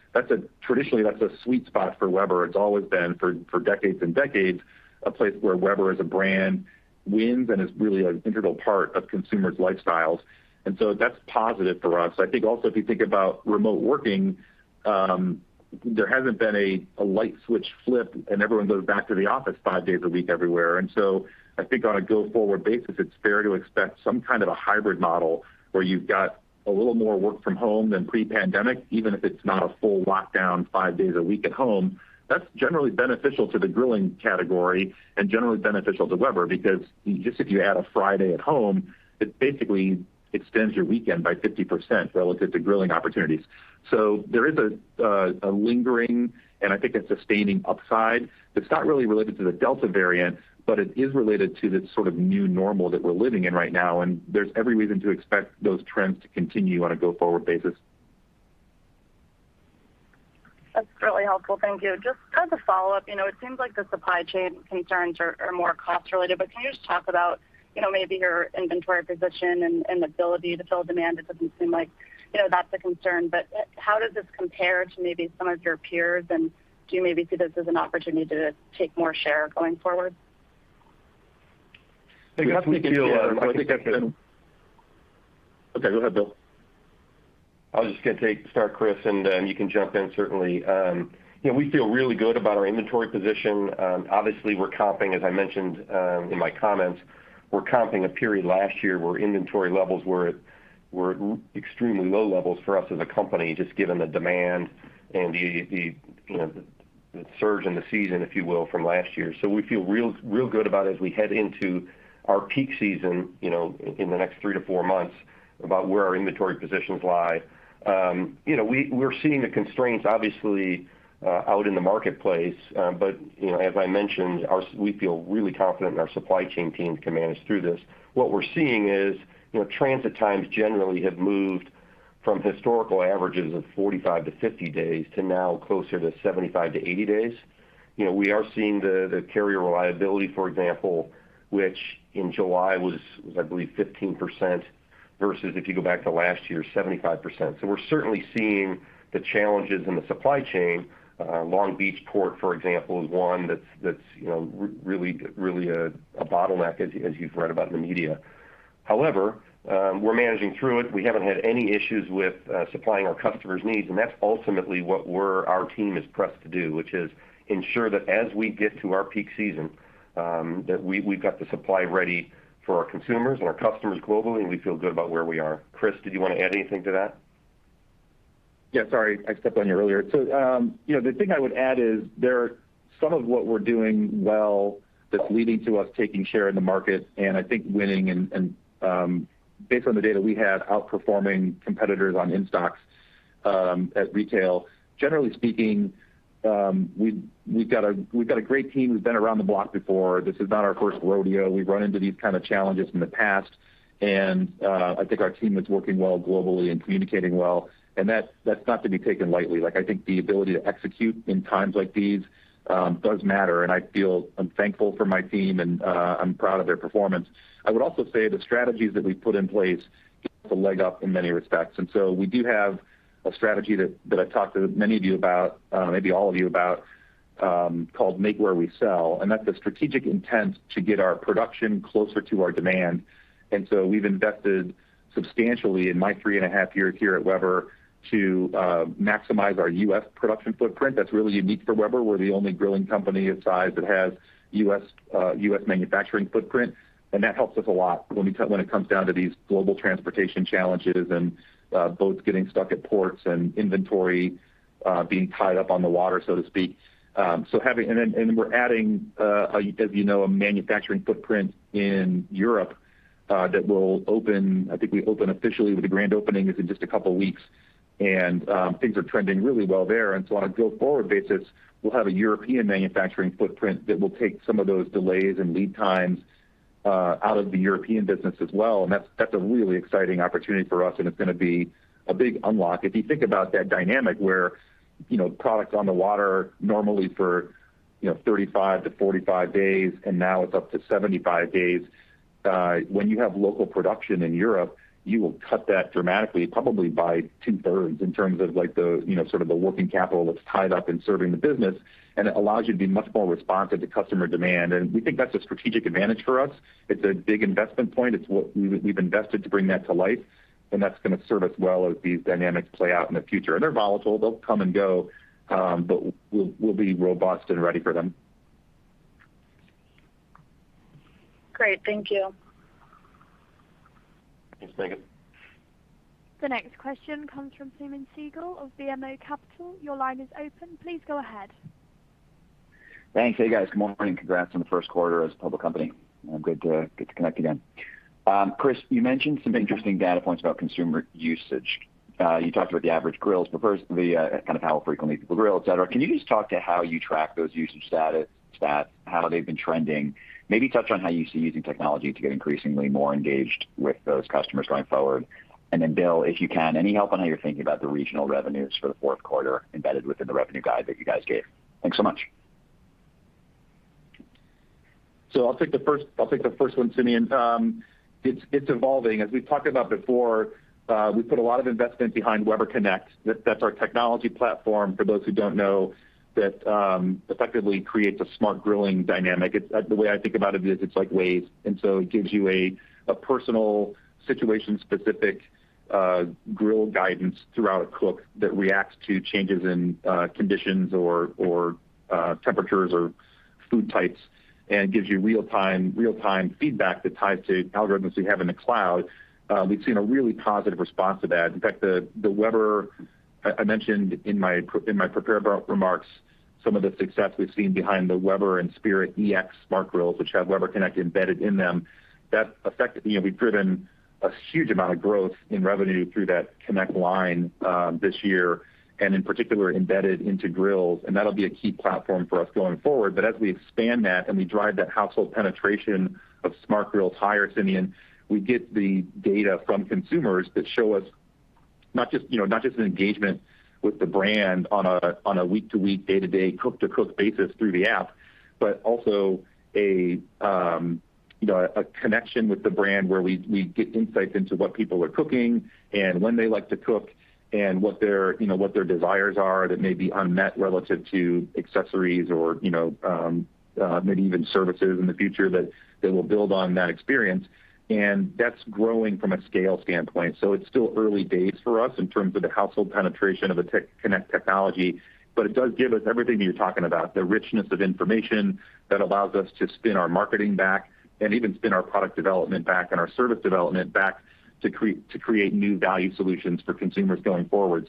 traditionally, that's a sweet spot for Weber. It's always been, for decades and decades, a place where Weber as a brand wins and is really an integral part of consumers' lifestyles. That's positive for us. I think also, if you think about remote working, there hasn't been a light switch flip, and everyone goes back to the office five days a week everywhere. I think on a go-forward basis, it's fair to expect some kind of a hybrid model where you've got a little more work from home than pre-pandemic, even if it's not a full lockdown five days a week at home. That's generally beneficial to the grilling category and generally beneficial to Weber because just if you add a Friday at home, it basically extends your weekend by 50% relative to grilling opportunities. There is a lingering, and I think a sustaining upside that's not really related to the Delta variant, but it is related to this sort of new normal that we're living in right now, and there's every reason to expect those trends to continue on a go-forward basis. That's really helpful. Thank you. Just as a follow-up, it seems like the supply chain concerns are more cost related, but can you just talk about maybe your inventory position and ability to fill demand? It doesn't seem like that's a concern, but how does this compare to maybe some of your peers? Do you maybe see this as an opportunity to take more share going forward? I think we. We have. Okay, go ahead, Bill. I was just going to start, Chris, and you can jump in, certainly. We feel really good about our inventory position. Obviously, we're comping, as I mentioned in my comments, we're comping a period last year where inventory levels were at extremely low levels for us as a company, just given the demand and the surge in the season, if you will, from last year. We feel real good about as we head into our peak season in the next three to four months about where our inventory positions lie. We're seeing the constraints, obviously, out in the marketplace. As I mentioned, we feel really confident in our supply chain team to command us through this. What we're seeing is transit times generally have moved from historical averages of 45-50 days to now closer to 75-80 days. We are seeing the carrier reliability, for example, which in July was, I believe, 15% versus if you go back to last year, 75%. We're certainly seeing the challenges in the supply chain. Long Beach Port, for example, is one that's really a bottleneck as you've read about in the media. However, we're managing through it. We haven't had any issues with supplying our customers' needs, and that's ultimately what our team is pressed to do, which is ensure that as we get to our peak season, that we've got the supply ready for our consumers and our customers globally, and we feel good about where we are. Chris, did you want to add anything to that? Yeah, sorry, I stepped on you earlier. The thing I would add is some of what we're doing well that's leading to us taking share in the market and I think winning and, based on the data we have, outperforming competitors on in-stocks at retail. Generally speaking, we've got a great team who've been around the block before. This is not our first rodeo. We've run into these kind of challenges in the past, and I think our team is working well globally and communicating well. That's not to be taken lightly. I think the ability to execute in times like these does matter, and I feel thankful for my team, and I'm proud of their performance. I would also say the strategies that we've put in place give us a leg up in many respects. We do have a strategy that I've talked to many of you about, maybe all of you about, called Make Where We Sell, and that's a strategic intent to get our production closer to our demand. We've invested substantially in my three and a half years here at Weber to maximize our U.S. production footprint. That's really unique for Weber. We're the only grilling company of size that has a U.S. manufacturing footprint, and that helps us a lot when it comes down to these global transportation challenges and boats getting stuck at ports and inventory being tied up on the water, so to speak. Then we're adding, as you know, a manufacturing footprint in Europe that will open, I think we open officially with the grand opening is in just a couple of weeks, and things are trending really well there. On a go-forward basis, we'll have a European manufacturing footprint that will take some of those delays and lead times out of the European business as well, and that's a really exciting opportunity for us, and it's going to be a big unlock. If you think about that dynamic where product's on the water normally for 35-45 days, and now it's up to 75 days. When you have local production in Europe, you will cut that dramatically, probably by 2/3 in terms of the sort of working capital that's tied up in serving the business, and it allows you to be much more responsive to customer demand. We think that's a strategic advantage for us. It's a big investment point. It's what we've invested to bring that to life, and that's going to serve us well as these dynamics play out in the future. They're volatile. They'll come and go, but we'll be robust and ready for them. Great. Thank you. Thanks, Megan. The next question comes from Simeon Siegel of BMO Capital. Your line is open. Please go ahead. Thanks. Hey, guys. Good morning. Congrats on the first quarter as a public company. Good to connect again. Chris, you mentioned some interesting data points about consumer usage. You talked about the average grills per person, kind of how frequently people grill, et cetera. Can you just talk to how you track those usage stats, how they've been trending? Maybe touch on how you see using technology to get increasingly more engaged with those customers going forward. Bill, if you can, any help on how you're thinking about the regional revenues for the fourth quarter embedded within the revenue guide that you guys gave? Thanks so much. I'll take the first one, Simeon. It's evolving. As we've talked about before, we put a lot of investment behind Weber Connect. That's our technology platform, for those who don't know, that effectively creates a smart grilling dynamic. The way I think about it is it's like Waze, it gives you a personal situation-specific grill guidance throughout a cook that reacts to changes in conditions or temperatures or food types and gives you real-time feedback that ties to algorithms we have in the cloud. We've seen a really positive response to that. In fact, the Weber, I mentioned in my prepared remarks some of the success we've seen behind the Weber and Spirit EX smart grills, which have Weber Connect embedded in them. We've driven a huge amount of growth in revenue through that Connect this year, and in particular, embedded into grills, and that'll be a key platform for us going forward. As we expand that and we drive that household penetration of smart grills higher, Simeon, we get the data from consumers that show us not just an engagement with the brand on a week-to-week, day-to-day, cook-to-cook basis through the app, but also a connection with the brand where we get insights into what people are cooking and when they like to cook and what their desires are that may be unmet relative to accessories or maybe even services in the future that will build on that experience. That's growing from a scale standpoint. It's still early days for us in terms of the household penetration of the Connect technology, but it does give us everything that you're talking about, the richness of information that allows us to spin our marketing back and even spin our product development back and our service development back to create new value solutions for consumers going forward.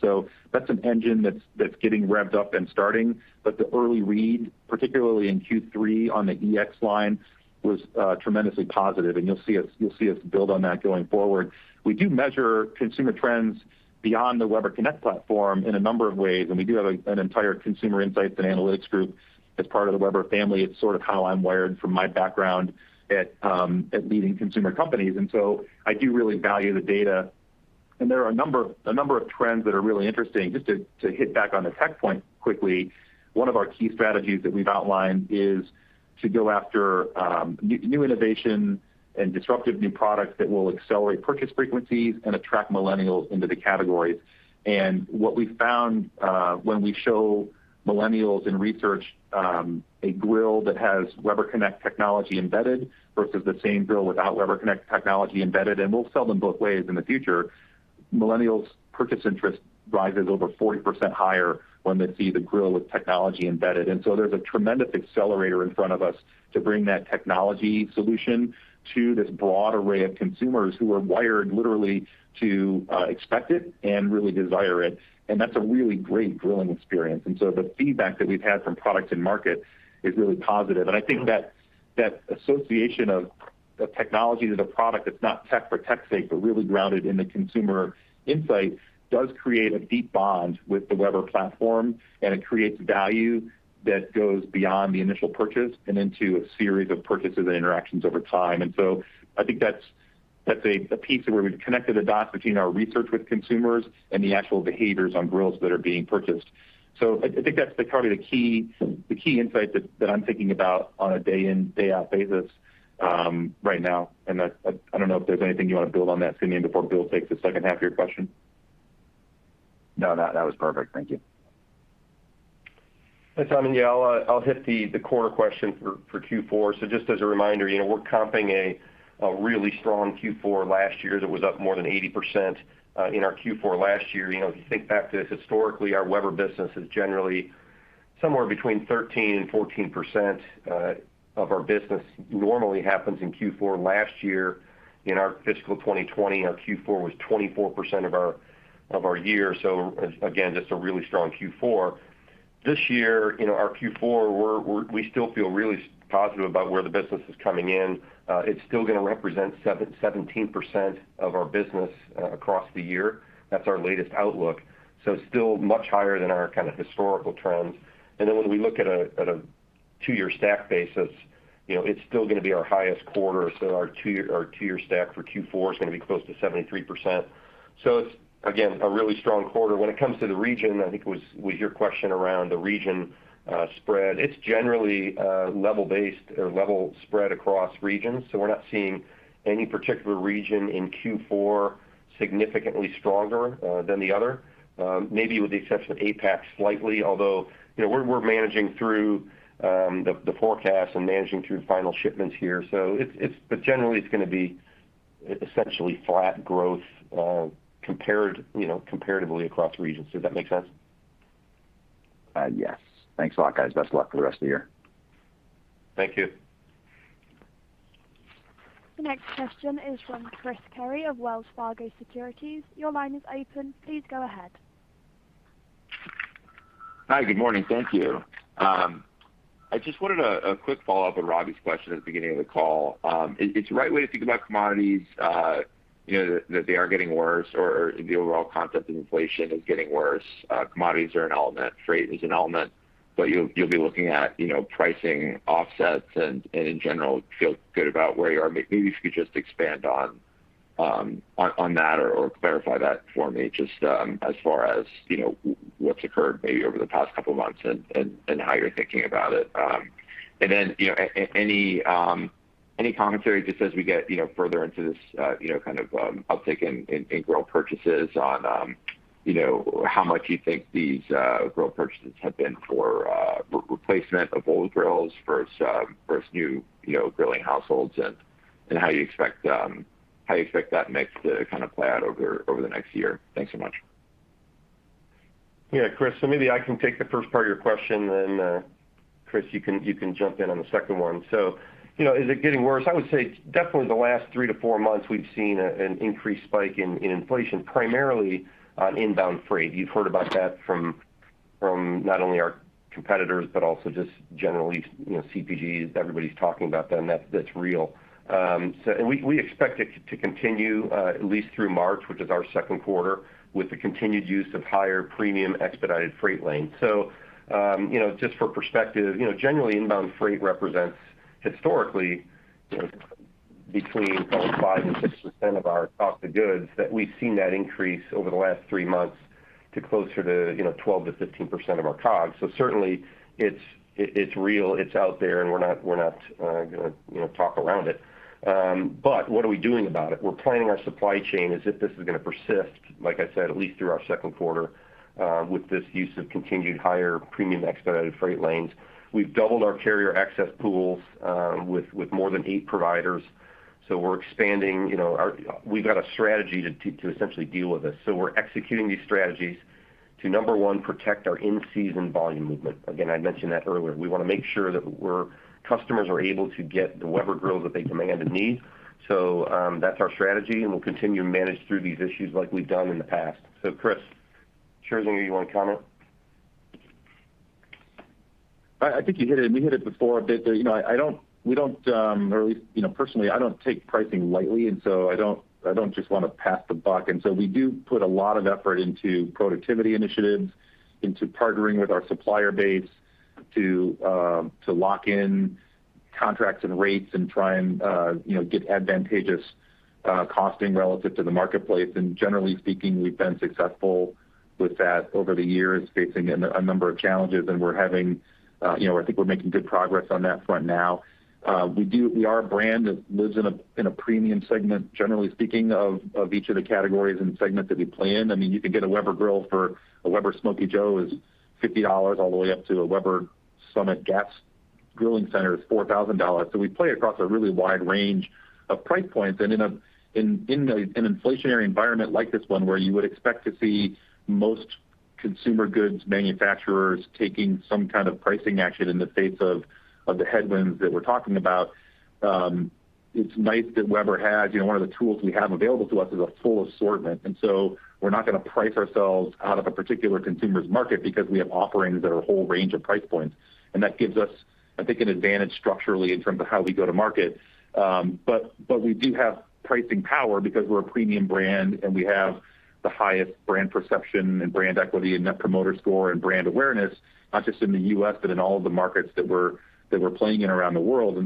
That's an engine that's getting revved up and starting, but the early read, particularly in Q3 on the EX line, was tremendously positive, and you'll see us build on that going forward. We do measure consumer trends beyond the Weber Connect platform in a number of ways, and we do have an entire consumer insights and analytics group as part of the Weber family. It's sort of how I'm wired from my background at leading consumer companies. I do really value the data, and there are a number of trends that are really interesting. Just to hit back on the tech point quickly, one of our key strategies that we've outlined is to go after new innovation and disruptive new products that will accelerate purchase frequencies and attract millennials into the categories. What we found when we show millennials in research a grill that has Weber Connect technology embedded versus the same grill without Weber Connect technology embedded, and we'll sell them both ways in the future, millennials' purchase interest rises over 40% higher when they see the grill with technology embedded. There's a tremendous accelerator in front of us to bring that technology solution to this broad array of consumers who are wired literally to expect it and really desire it. That's a really great grilling experience. The feedback that we've had from product and market is really positive. I think that association of the technology is a product that's not tech for tech's sake, but really grounded in the consumer insight, does create a deep bond with the Weber platform, and it creates value that goes beyond the initial purchase and into a series of purchases and interactions over time. I think that's a piece where we've connected the dots between our research with consumers and the actual behaviors on grills that are being purchased. I think that's probably the key insight that I'm thinking about on a day in, day out basis right now. I don't know if there's anything you want to build on that, Simeon, before Bill takes the second half of your question. No, that was perfect. Thank you. Hey, Simeon. Yeah, I'll hit the quarter question for Q4. Just as a reminder, we're comping a really strong Q4 last year that was up more than 80% in our Q4 last year. If you think back to this, historically, our Weber business is generally somewhere between 13% and 14% of our business normally happens in Q4. Last year, in our fiscal 2020, our Q4 was 24% of our year. Again, just a really strong Q4. This year, our Q4, we still feel really positive about where the business is coming in. It's still going to represent 17% of our business across the year. That's our latest outlook. It's still much higher than our kind of historical trends. When we look at a two-year stack basis, it's still going to be our highest quarter. Our two-year stack for Q4 is going to be close to 73%. It's, again, a really strong quarter. When it comes to the region, I think was your question around the region spread. It's generally level based or level spread across regions. We're not seeing any particular region in Q4 significantly stronger than the other. Maybe with the exception of APAC slightly, although we're managing through the forecast and managing through final shipments here. Generally, it's going to be essentially flat growth comparatively across regions. Does that make sense? Yes. Thanks a lot, guys. Best of luck for the rest of the year. Thank you. The next question is from Chris Carey of Wells Fargo Securities. Your line is open. Please go ahead. Hi, good morning. Thank you. I just wanted a quick follow-up on Robbie's question at the beginning of the call. It's the right way to think about commodities, that they are getting worse or the overall concept of inflation is getting worse. Commodities are an element, freight is an element. You'll be looking at pricing offsets and in general, feel good about where you are. Maybe if you could just expand on that or clarify that for me, just as far as what's occurred maybe over the past couple of months and how you're thinking about it. Any commentary just as we get further into this kind of uptick in grill purchases on how much you think these grill purchases have been for replacement of old grills versus new grilling households and how you expect that mix to kind of play out over the next year. Thanks so much. Yeah, Chris, maybe I can take the first part of your question. Chris, you can jump in on the second one. Is it getting worse? I would say definitely the last three to four months, we've seen an increased spike in inflation, primarily on inbound freight. You've heard about that from not only our competitors, but also just generally CPGs. Everybody's talking about that's real. We expect it to continue at least through March, which is our second quarter, with the continued use of higher premium expedited freight lanes. Just for perspective, generally, inbound freight represents historically between 4%, 5% and 6% of our cost of goods that we've seen that increase over the last three months to closer to 12%-15% of our COGS. Certainly, it's real, it's out there, and we're not going to talk around it. What are we doing about it? We're planning our supply chain as if this is going to persist, like I said, at least through our second quarter with this use of continued higher premium expedited freight lanes. We've doubled our carrier access pools with more than eight providers. We're expanding. We've got a strategy to essentially deal with this. We're executing these strategies to, number one, protect our in-season volume movement. Again, I mentioned that earlier. We want to make sure that customers are able to get the Weber grill that they demand and need. That's our strategy, and we'll continue to manage through these issues like we've done in the past. Chris, sure, is there anything you want to comment? I think you hit it. We hit it before a bit there. Personally, I don't take pricing lightly. I don't just want to pass the buck. We do put a lot of effort into productivity initiatives, into partnering with our supplier base to lock in contracts and rates and try and get advantageous costing relative to the marketplace. Generally speaking, we've been successful with that over the years, facing a number of challenges, and I think we're making good progress on that front now. We are a brand that lives in a premium segment, generally speaking, of each of the categories and segments that we play in. You can get a Weber grill for, a Weber Smokey Joe is $50, all the way up to a Weber Summit Gas Grilling Center is $4,000. We play across a really wide range of price points. In an inflationary environment like this one, where you would expect to see most consumer goods manufacturers taking some kind of pricing action in the face of the headwinds that we're talking about, it's nice that Weber has, one of the tools we have available to us is a full assortment. We're not going to price ourselves out of a particular consumer's market because we have offerings at a whole range of price points. That gives us, I think, an advantage structurally in terms of how we go to market. We do have pricing power because we're a premium brand, and we have the highest brand perception and brand equity and net promoter score and brand awareness, not just in the U.S., but in all of the markets that we're playing in around the world.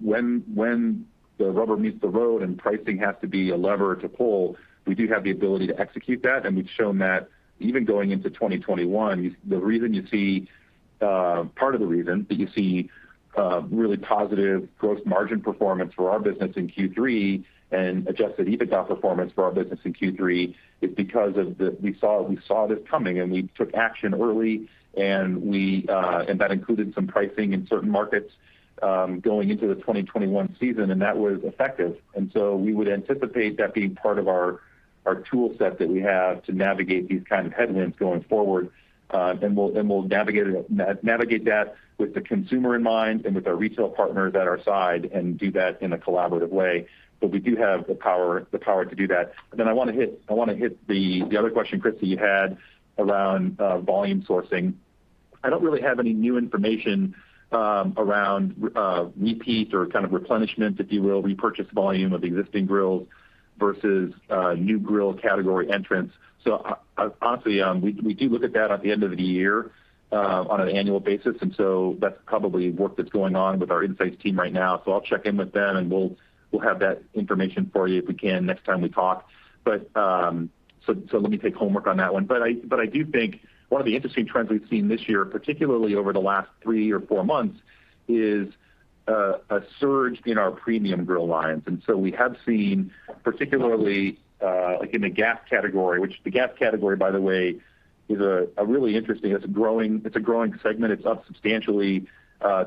When the rubber meets the road and pricing has to be a lever to pull, we do have the ability to execute that. We've shown that even going into 2021, part of the reason that you see really positive gross margin performance for our business in Q3 and adjusted EBITDA performance for our business in Q3 is because we saw this coming and we took action early, and that included some pricing in certain markets, going into the 2021 season, and that was effective. We would anticipate that being part of our tool set that we have to navigate these kind of headwinds going forward. We'll navigate that with the consumer in mind and with our retail partners at our side and do that in a collaborative way. We do have the power to do that. I want to hit the other question, Chris, that you had around volume sourcing. I don't really have any new information around repeat or kind of replenishment, if you will, repurchase volume of existing grills versus new grill category entrants. Honestly, we do look at that at the end of the year, on an annual basis. That's probably work that's going on with our insights team right now. I'll check in with them, and we'll have that information for you if we can next time we talk. Let me take homework on that one. I do think one of the interesting trends we've seen this year, particularly over the last three or four months, is a surge in our premium grill lines. We have seen particularly, like in the gas category, which the gas category, by the way, is really interesting. It's a growing segment. It's up substantially,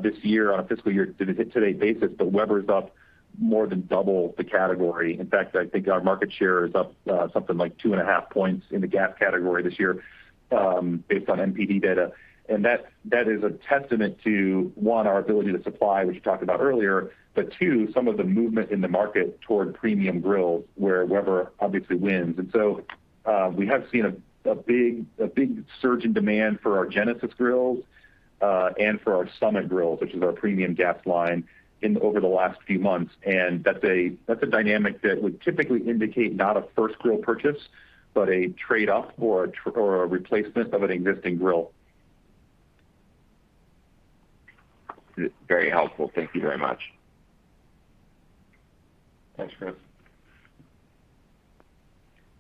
this year on a fiscal year-to-date basis, but Weber is up more than double the category. In fact, I think our market share is up something like 2.5 points in the gas category this year, based on NPD data. That is a testament to, one, our ability to supply, which we talked about earlier, but two, some of the movement in the market toward premium grills where Weber obviously wins. We have seen a big surge in demand for our Genesis grills, and for our Summit grills, which is our premium gas line over the last few months. That's a dynamic that would typically indicate not a first grill purchase, but a trade-up or a replacement of an existing grill. Very helpful. Thank you very much. Thanks, Chris.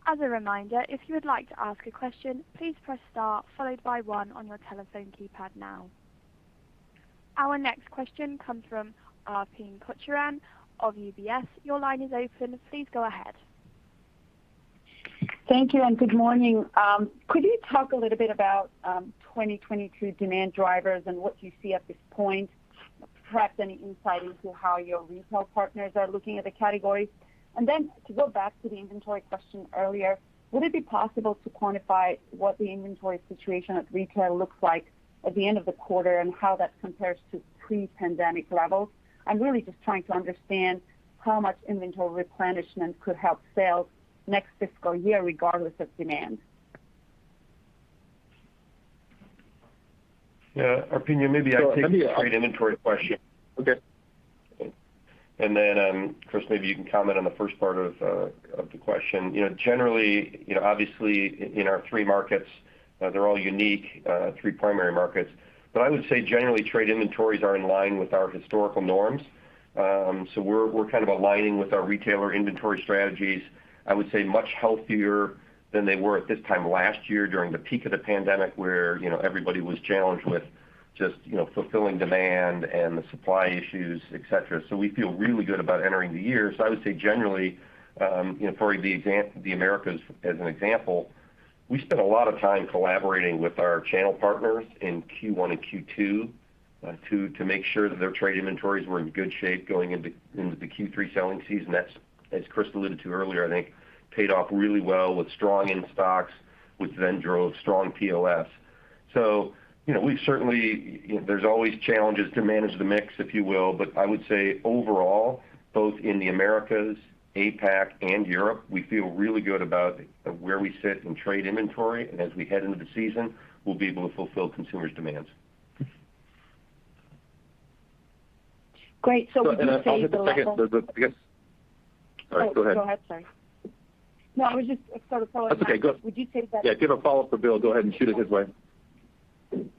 As a reminder, if you would like to ask a question, please press star followed by one on your telephone keypad now. Our next question comes from Arpine Kocharian of UBS. Your line is open. Please go ahead. Thank you and good morning. Could you talk a little bit about 2022 demand drivers and what you see at this point? Perhaps any insight into how your retail partners are looking at the categories? To go back to the inventory question earlier, would it be possible to quantify what the inventory situation at retail looks like at the end of the quarter and how that compares to pre-pandemic levels? I'm really just trying to understand how much inventory replenishment could help sales next fiscal year regardless of demand. Yeah. Arpine, maybe I take the trade inventory question. Okay. Chris, maybe you can comment on the first part of the question. Generally, obviously in our three markets, they're all unique, three primary markets, but I would say generally trade inventories are in line with our historical norms. We're kind of aligning with our retailer inventory strategies, I would say much healthier than they were at this time last year during the peak of the COVID-19 pandemic where everybody was challenged with just fulfilling demand and the supply issues, et cetera. We feel really good about entering the year. I would say generally, for the Americas as an example, we spent a lot of time collaborating with our channel partners in Q1 and Q2, to make sure that their trade inventories were in good shape going into the Q3 selling season. That, as Chris alluded to earlier, I think, paid off really well with strong in-stocks, which then drove strong POS. There's always challenges to manage the mix, if you will. I would say overall, both in the Americas, APAC, and Europe, we feel really good about where we sit in trade inventory, and as we head into the season, we'll be able to fulfill consumers' demands. Great. Would you say the level-? Go ahead. Oh, go ahead. Sorry. No, I was just sort of following up. That's okay. Go. Would you say that- Yeah, if you have a follow-up for Bill, go ahead and shoot it his way.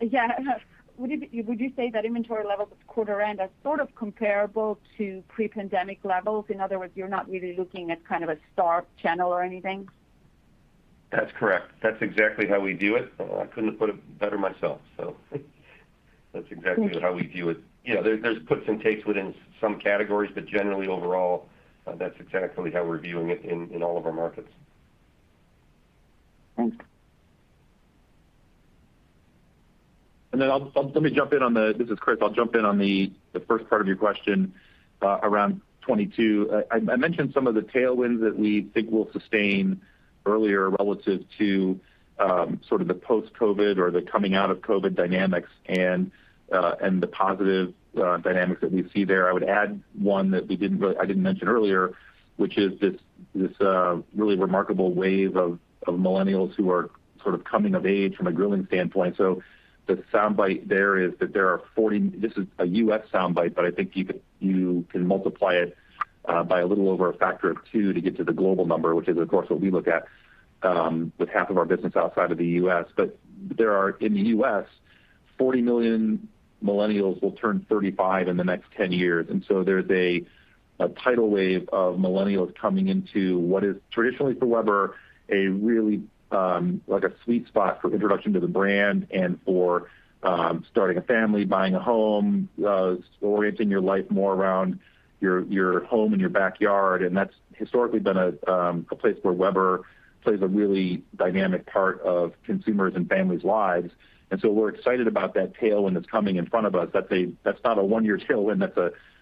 Yeah. Would you say that inventory levels quarter end are sort of comparable to pre-pandemic levels? In other words, you're not really looking at kind of a starved channel or anything? That's correct. That's exactly how we view it. I couldn't have put it better myself, so that's exactly how we view it. There's puts and takes within some categories, but generally overall, that's exactly how we're viewing it in all of our markets. Thanks. Let me jump in on the-- this is Chris. I'll jump in on the first part of your question, around 2022. I mentioned some of the tailwinds that we think we'll sustain earlier relative to sort of the post-COVID or the coming out of COVID dynamics and the positive dynamics that we see there. I would add one that I didn't mention earlier, which is this really remarkable wave of millennials who are sort of coming of age from a grilling standpoint. The soundbite there is that there are 40, this is a U.S. soundbite, but I think you can multiply it by a little over a factor of two to get to the global number, which is, of course, what we look at with half of our business outside of the U.S. There are, in the U.S. 40 million millennials will turn 35 in the next 10 years. There's a tidal wave of millennials coming into what is traditionally for Weber, a really sweet spot for introduction to the brand and for starting a family, buying a home, orienting your life more around your home and your backyard. That's historically been a place where Weber plays a really dynamic part of consumers' and families' lives. We're excited about that tailwind that's coming in front of us. That's not a one-year tailwind,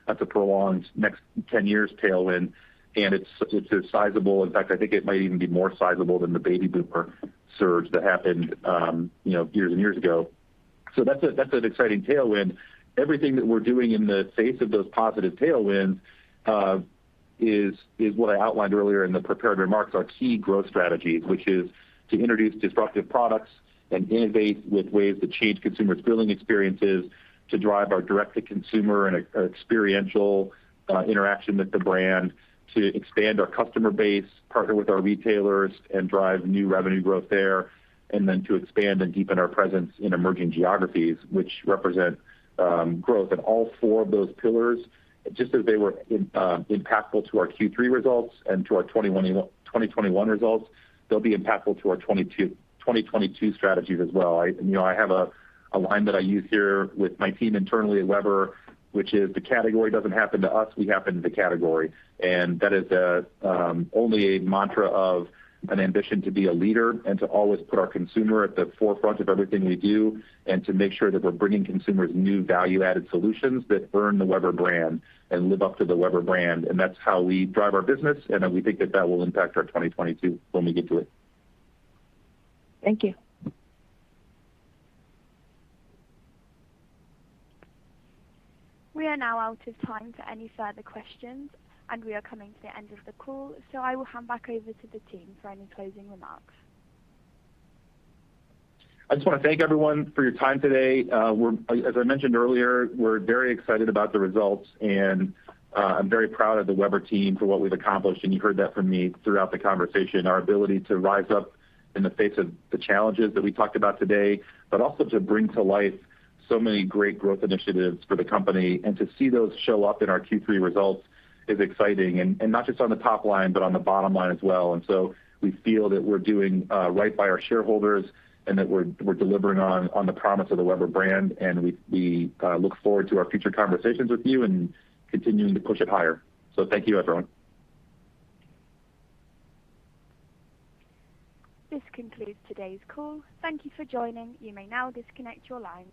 that's a prolonged next 10 years tailwind. It's sizable. In fact, I think it might even be more sizable than the baby boomer surge that happened years and years ago. That's an exciting tailwind. Everything that we're doing in the face of those positive tailwinds is what I outlined earlier in the prepared remarks, our key growth strategies. Which is to introduce disruptive products and innovate with ways to change consumers' grilling experiences to drive our direct-to-consumer and experiential interaction with the brand to expand our customer base, partner with our retailers, and drive new revenue growth there. To expand and deepen our presence in emerging geographies, which represent growth in all four of those pillars, just as they were impactful to our Q3 results and to our 2021 results, they'll be impactful to our 2022 strategies as well. I have a line that I use here with my team internally at Weber, which is, "The category doesn't happen to us, we happen to the category." That is only a mantra of an ambition to be a leader and to always put our consumer at the forefront of everything we do, and to make sure that we're bringing consumers new value-added solutions that earn the Weber brand and live up to the Weber brand. That's how we drive our business, and we think that that will impact our 2022 when we get to it. Thank you. We are now out of time for any further questions, and we are coming to the end of the call. I will hand back over to the team for any closing remarks. I just want to thank everyone for your time today. As I mentioned earlier, we're very excited about the results and I'm very proud of the Weber team for what we've accomplished, and you heard that from me throughout the conversation. Our ability to rise up in the face of the challenges that we talked about today, but also to bring to life so many great growth initiatives for the company and to see those show up in our Q3 results is exciting. Not just on the top line, but on the bottom line as well. We feel that we're doing right by our shareholders and that we're delivering on the promise of the Weber brand, and we look forward to our future conversations with you and continuing to push it higher. Thank you, everyone. This concludes today's call. Thank you for joining. You may now disconnect your line.